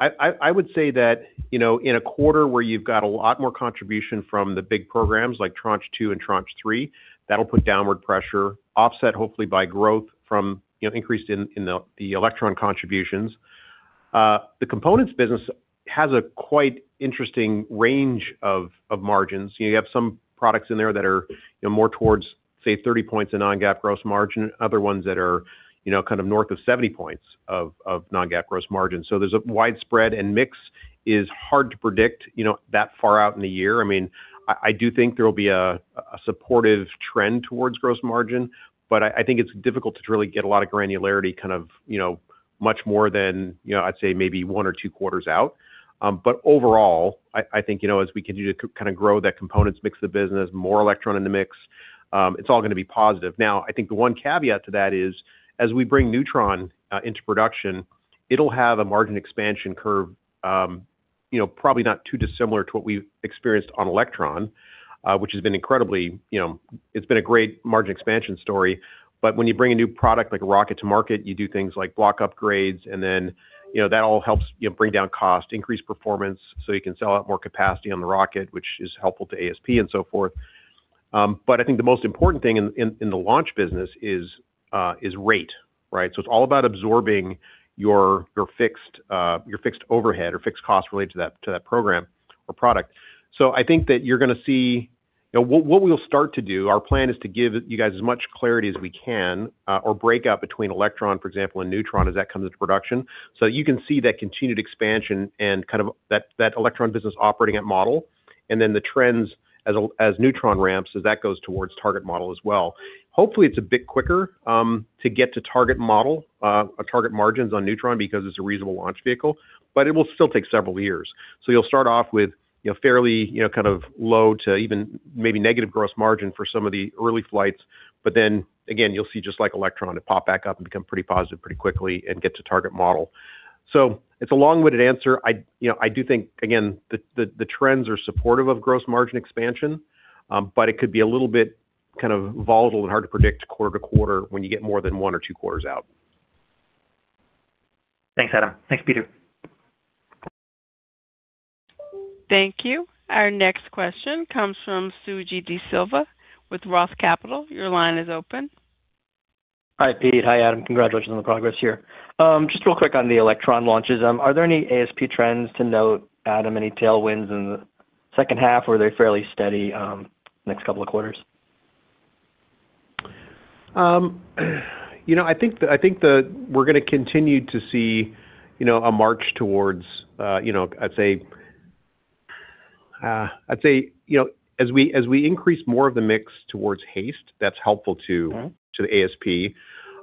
I would say that, you know, in a quarter where you've got a lot more contribution from the big programs like Tranche 2 and Tranche 3, that'll put downward pressure offset, hopefully, by growth from, you know, increased in the Electron contributions. The components business has a quite interesting range of margins. You have some products in there that are, you know, more towards, say, 30 points of non-GAAP gross margin, other ones that are, you know, kind of north of 70 points of non-GAAP gross margin. There's a widespread, and mix is hard to predict, you know, that far out in the year. I mean, I do think there will be a supportive trend towards gross margin, but I think it's difficult to really get a lot of granularity, kind of, you know, much more than, you know, I'd say, maybe one or two quarters out. Overall, I think, you know, as we continue to kind of grow that components mix of the business, more Electron in the mix, it's all gonna be positive. Now, I think the one caveat to that is, as we bring Neutron into production-. It'll have a margin expansion curve, you know, probably not too dissimilar to what we've experienced on Electron, which has been incredibly, you know, it's been a great margin expansion story. When you bring a new product like a rocket to market, you do things like block upgrades, you know, that all helps, you know, bring down cost, increase performance, so you can sell out more capacity on the rocket, which is helpful to ASP and so forth. I think the most important thing in the launch business is rate, right? It's all about absorbing your fixed overhead or fixed costs related to that program or product. I think that you're gonna see. You know, what we'll start to do, our plan is to give you guys as much clarity as we can, or break out between Electron, for example, and Neutron, as that comes into production. You can see that continued expansion and kind of that Electron business operating at model, and then the trends as Neutron ramps, as that goes towards target model as well. Hopefully, it's a bit quicker to get to target model or target margins on Neutron because it's a reasonable launch vehicle, but it will still take several years. You'll start off with, you know, fairly, you know, kind of low to even maybe negative gross margin for some of the early flights. Again, you'll see, just like Electron, it pop back up and become pretty positive pretty quickly and get to target model. It's a long-winded answer. I, you know, I do think, again, the trends are supportive of gross margin expansion, but it could be a little bit kind of volatile and hard to predict quarter to quarter when you get more than one or two quarters out. Thanks, Adam. Thanks, Peter. Thank you. Our next question comes from Suji DeSilva with ROTH Capital. Your line is open. Hi, Pete. Hi, Adam. Congratulations on the progress here. Just real quick on the Electron launches. Are there any ASP trends to note, Adam, any tailwinds in the second half, or are they fairly steady next couple of quarters? You know, I think we're gonna continue to see, you know, a march towards, you know, I'd say, you know, as we increase more of the mix towards HASTE, that's helpful. Mm-hmm... to the ASP.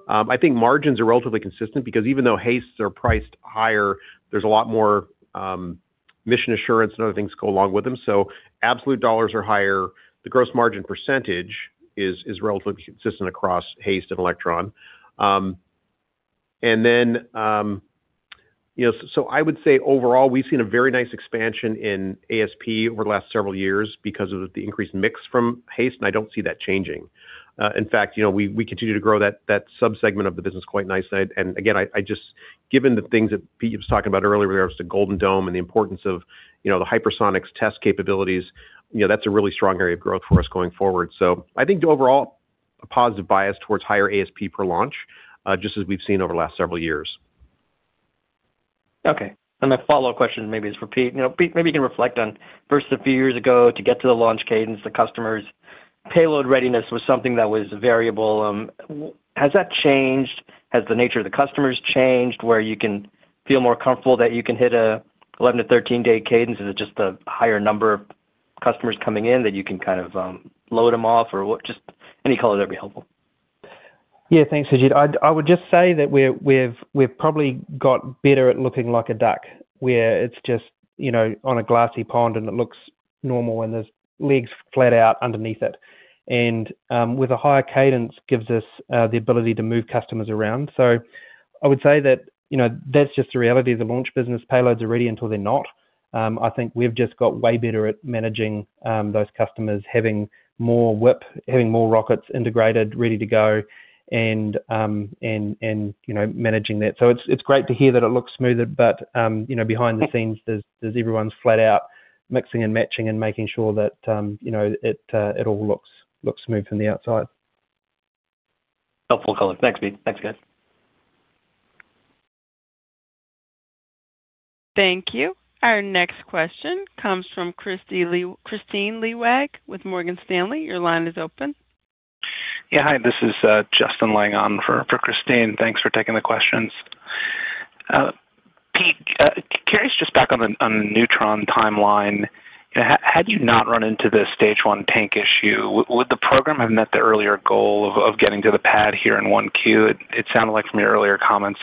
I think margins are relatively consistent because even though HASTEs are priced higher, there's a lot more mission assurance and other things go along with them. Absolute dollars are higher. The gross margin percentage is relatively consistent across HASTE and Electron. You know, so I would say overall, we've seen a very nice expansion in ASP over the last several years because of the increased mix from HASTE, and I don't see that changing. In fact, you know, we continue to grow that subsegment of the business quite nicely. Again, I just given the things that Pete was talking about earlier with regards to Golden Dome and the importance of, you know, the hypersonics test capabilities, you know, that's a really strong area of growth for us going forward. I think the overall, a positive bias towards higher ASP per launch, just as we've seen over the last several years. Okay, a follow-up question, maybe it's for Pete. You know, Pete, maybe you can reflect on, versus a few years ago, to get to the launch cadence, the customer's payload readiness was something that was variable. has that changed? Has the nature of the customers changed, where you can feel more comfortable that you can hit a 11 to 13-day cadence? Is it just the higher number of customers coming in that you can kind of, load them off, or what? Just any color that'd be helpful. Yeah, thanks, Suji. I would just say that we're, we've probably got better at looking like a duck, where it's just, you know, on a glassy pond, and it looks normal, and there's legs flat out underneath it. With a higher cadence, gives us the ability to move customers around. I would say that, you know, that's just the reality of the launch business. Payloads are ready until they're not. I think we've just got way better at managing those customers, having more whip, having more rockets integrated, ready to go, and, you know, managing that. It's great to hear that it looks smoother, but, you know, behind the scenes, there's everyone's flat out, mixing and matching and making sure that, you know, it all looks smooth from the outside. Helpful color. Thanks, Pete. Thanks, guys. Thank you. Our next question comes from Kristine Liwag with Morgan Stanley. Your line is open. Yeah, hi, this is Justin Lang on for Kristine Liwag. Thanks for taking the questions. Pete, curious, just back on the Neutron timeline, had you not run into this Stage one tank issue, would the program have met the earlier goal of getting to the pad here in 1Q? It sounded like from your earlier comments,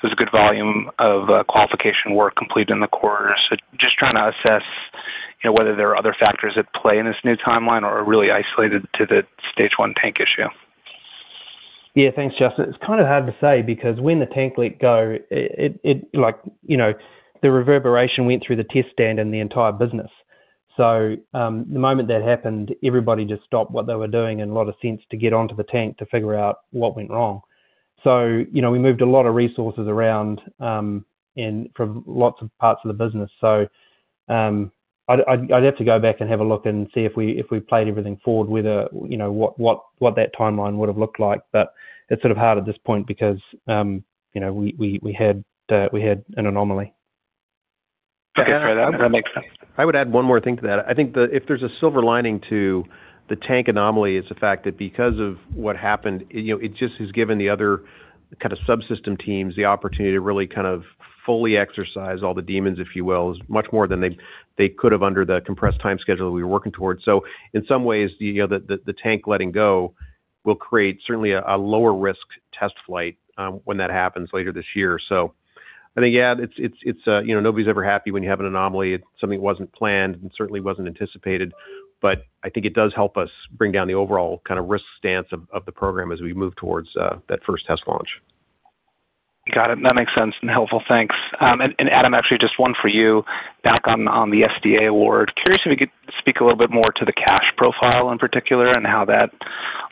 there's a good volume of qualification work completed in the quarter. Just trying to assess, you know, whether there are other factors at play in this new timeline or really isolated to the Stage one tank issue. Yeah, thanks, Justin. It's kind of hard to say because when the tank leak go, it, like, you know, the reverberation went through the test stand and the entire business. The moment that happened, everybody just stopped what they were doing in a lot of sense to get onto the tank to figure out what went wrong. You know, we moved a lot of resources around and from lots of parts of the business. I'd have to go back and have a look and see if we, if we played everything forward, whether, you know, what that timeline would have looked like. It's sort of hard at this point because, you know, we had an anomaly. Okay. That makes sense. I would add one more thing to that. I think the if there's a silver lining to the tank anomaly, it's the fact that because of what happened, it, you know, it just has given the other kind of subsystem teams the opportunity to really kind of fully exercise all the demons, if you will, as much more than they could have under the compressed time schedule that we were working towards. In some ways, you know, the tank letting go will create certainly a lower risk test flight, when that happens later this year. I think, yeah, it's, it's, you know, nobody's ever happy when you have an anomaly. It's something that wasn't planned and certainly wasn't anticipated, but I think it does help us bring down the overall kind of risk stance of the program as we move towards that first test launch. Got it. That makes sense and helpful. Thanks. Adam, actually, just one for you back on the SDA award. Curious if you could speak a little bit more to the cash profile in particular and how that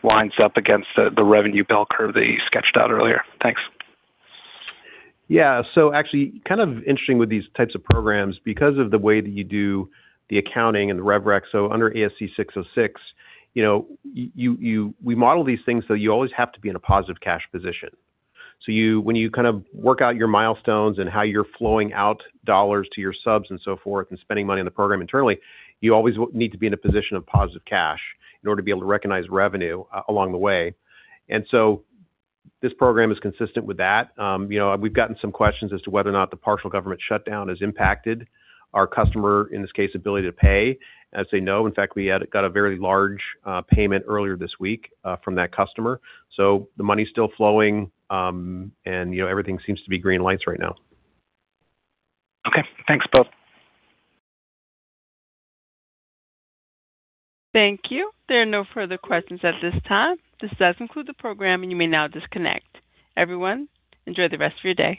winds up against the revenue bell curve that you sketched out earlier. Thanks. Yeah. Actually kind of interesting with these types of programs, because of the way that you do the accounting and the rev rec. Under ASC 606, you know, we model these things, so you always have to be in a positive cash position. When you kind of work out your milestones and how you're flowing out dollars to your subs and so forth, and spending money on the program internally, you always need to be in a position of positive cash in order to be able to recognize revenue along the way. This program is consistent with that. You know, we've gotten some questions as to whether or not the partial government shutdown has impacted our customer, in this case, ability to pay. As they know, in fact, we had got a very large payment earlier this week from that customer. The money's still flowing, and, you know, everything seems to be green lights right now. Okay. Thanks, both. Thank you. There are no further questions at this time. This does conclude the program. You may now disconnect. Everyone, enjoy the rest of your day.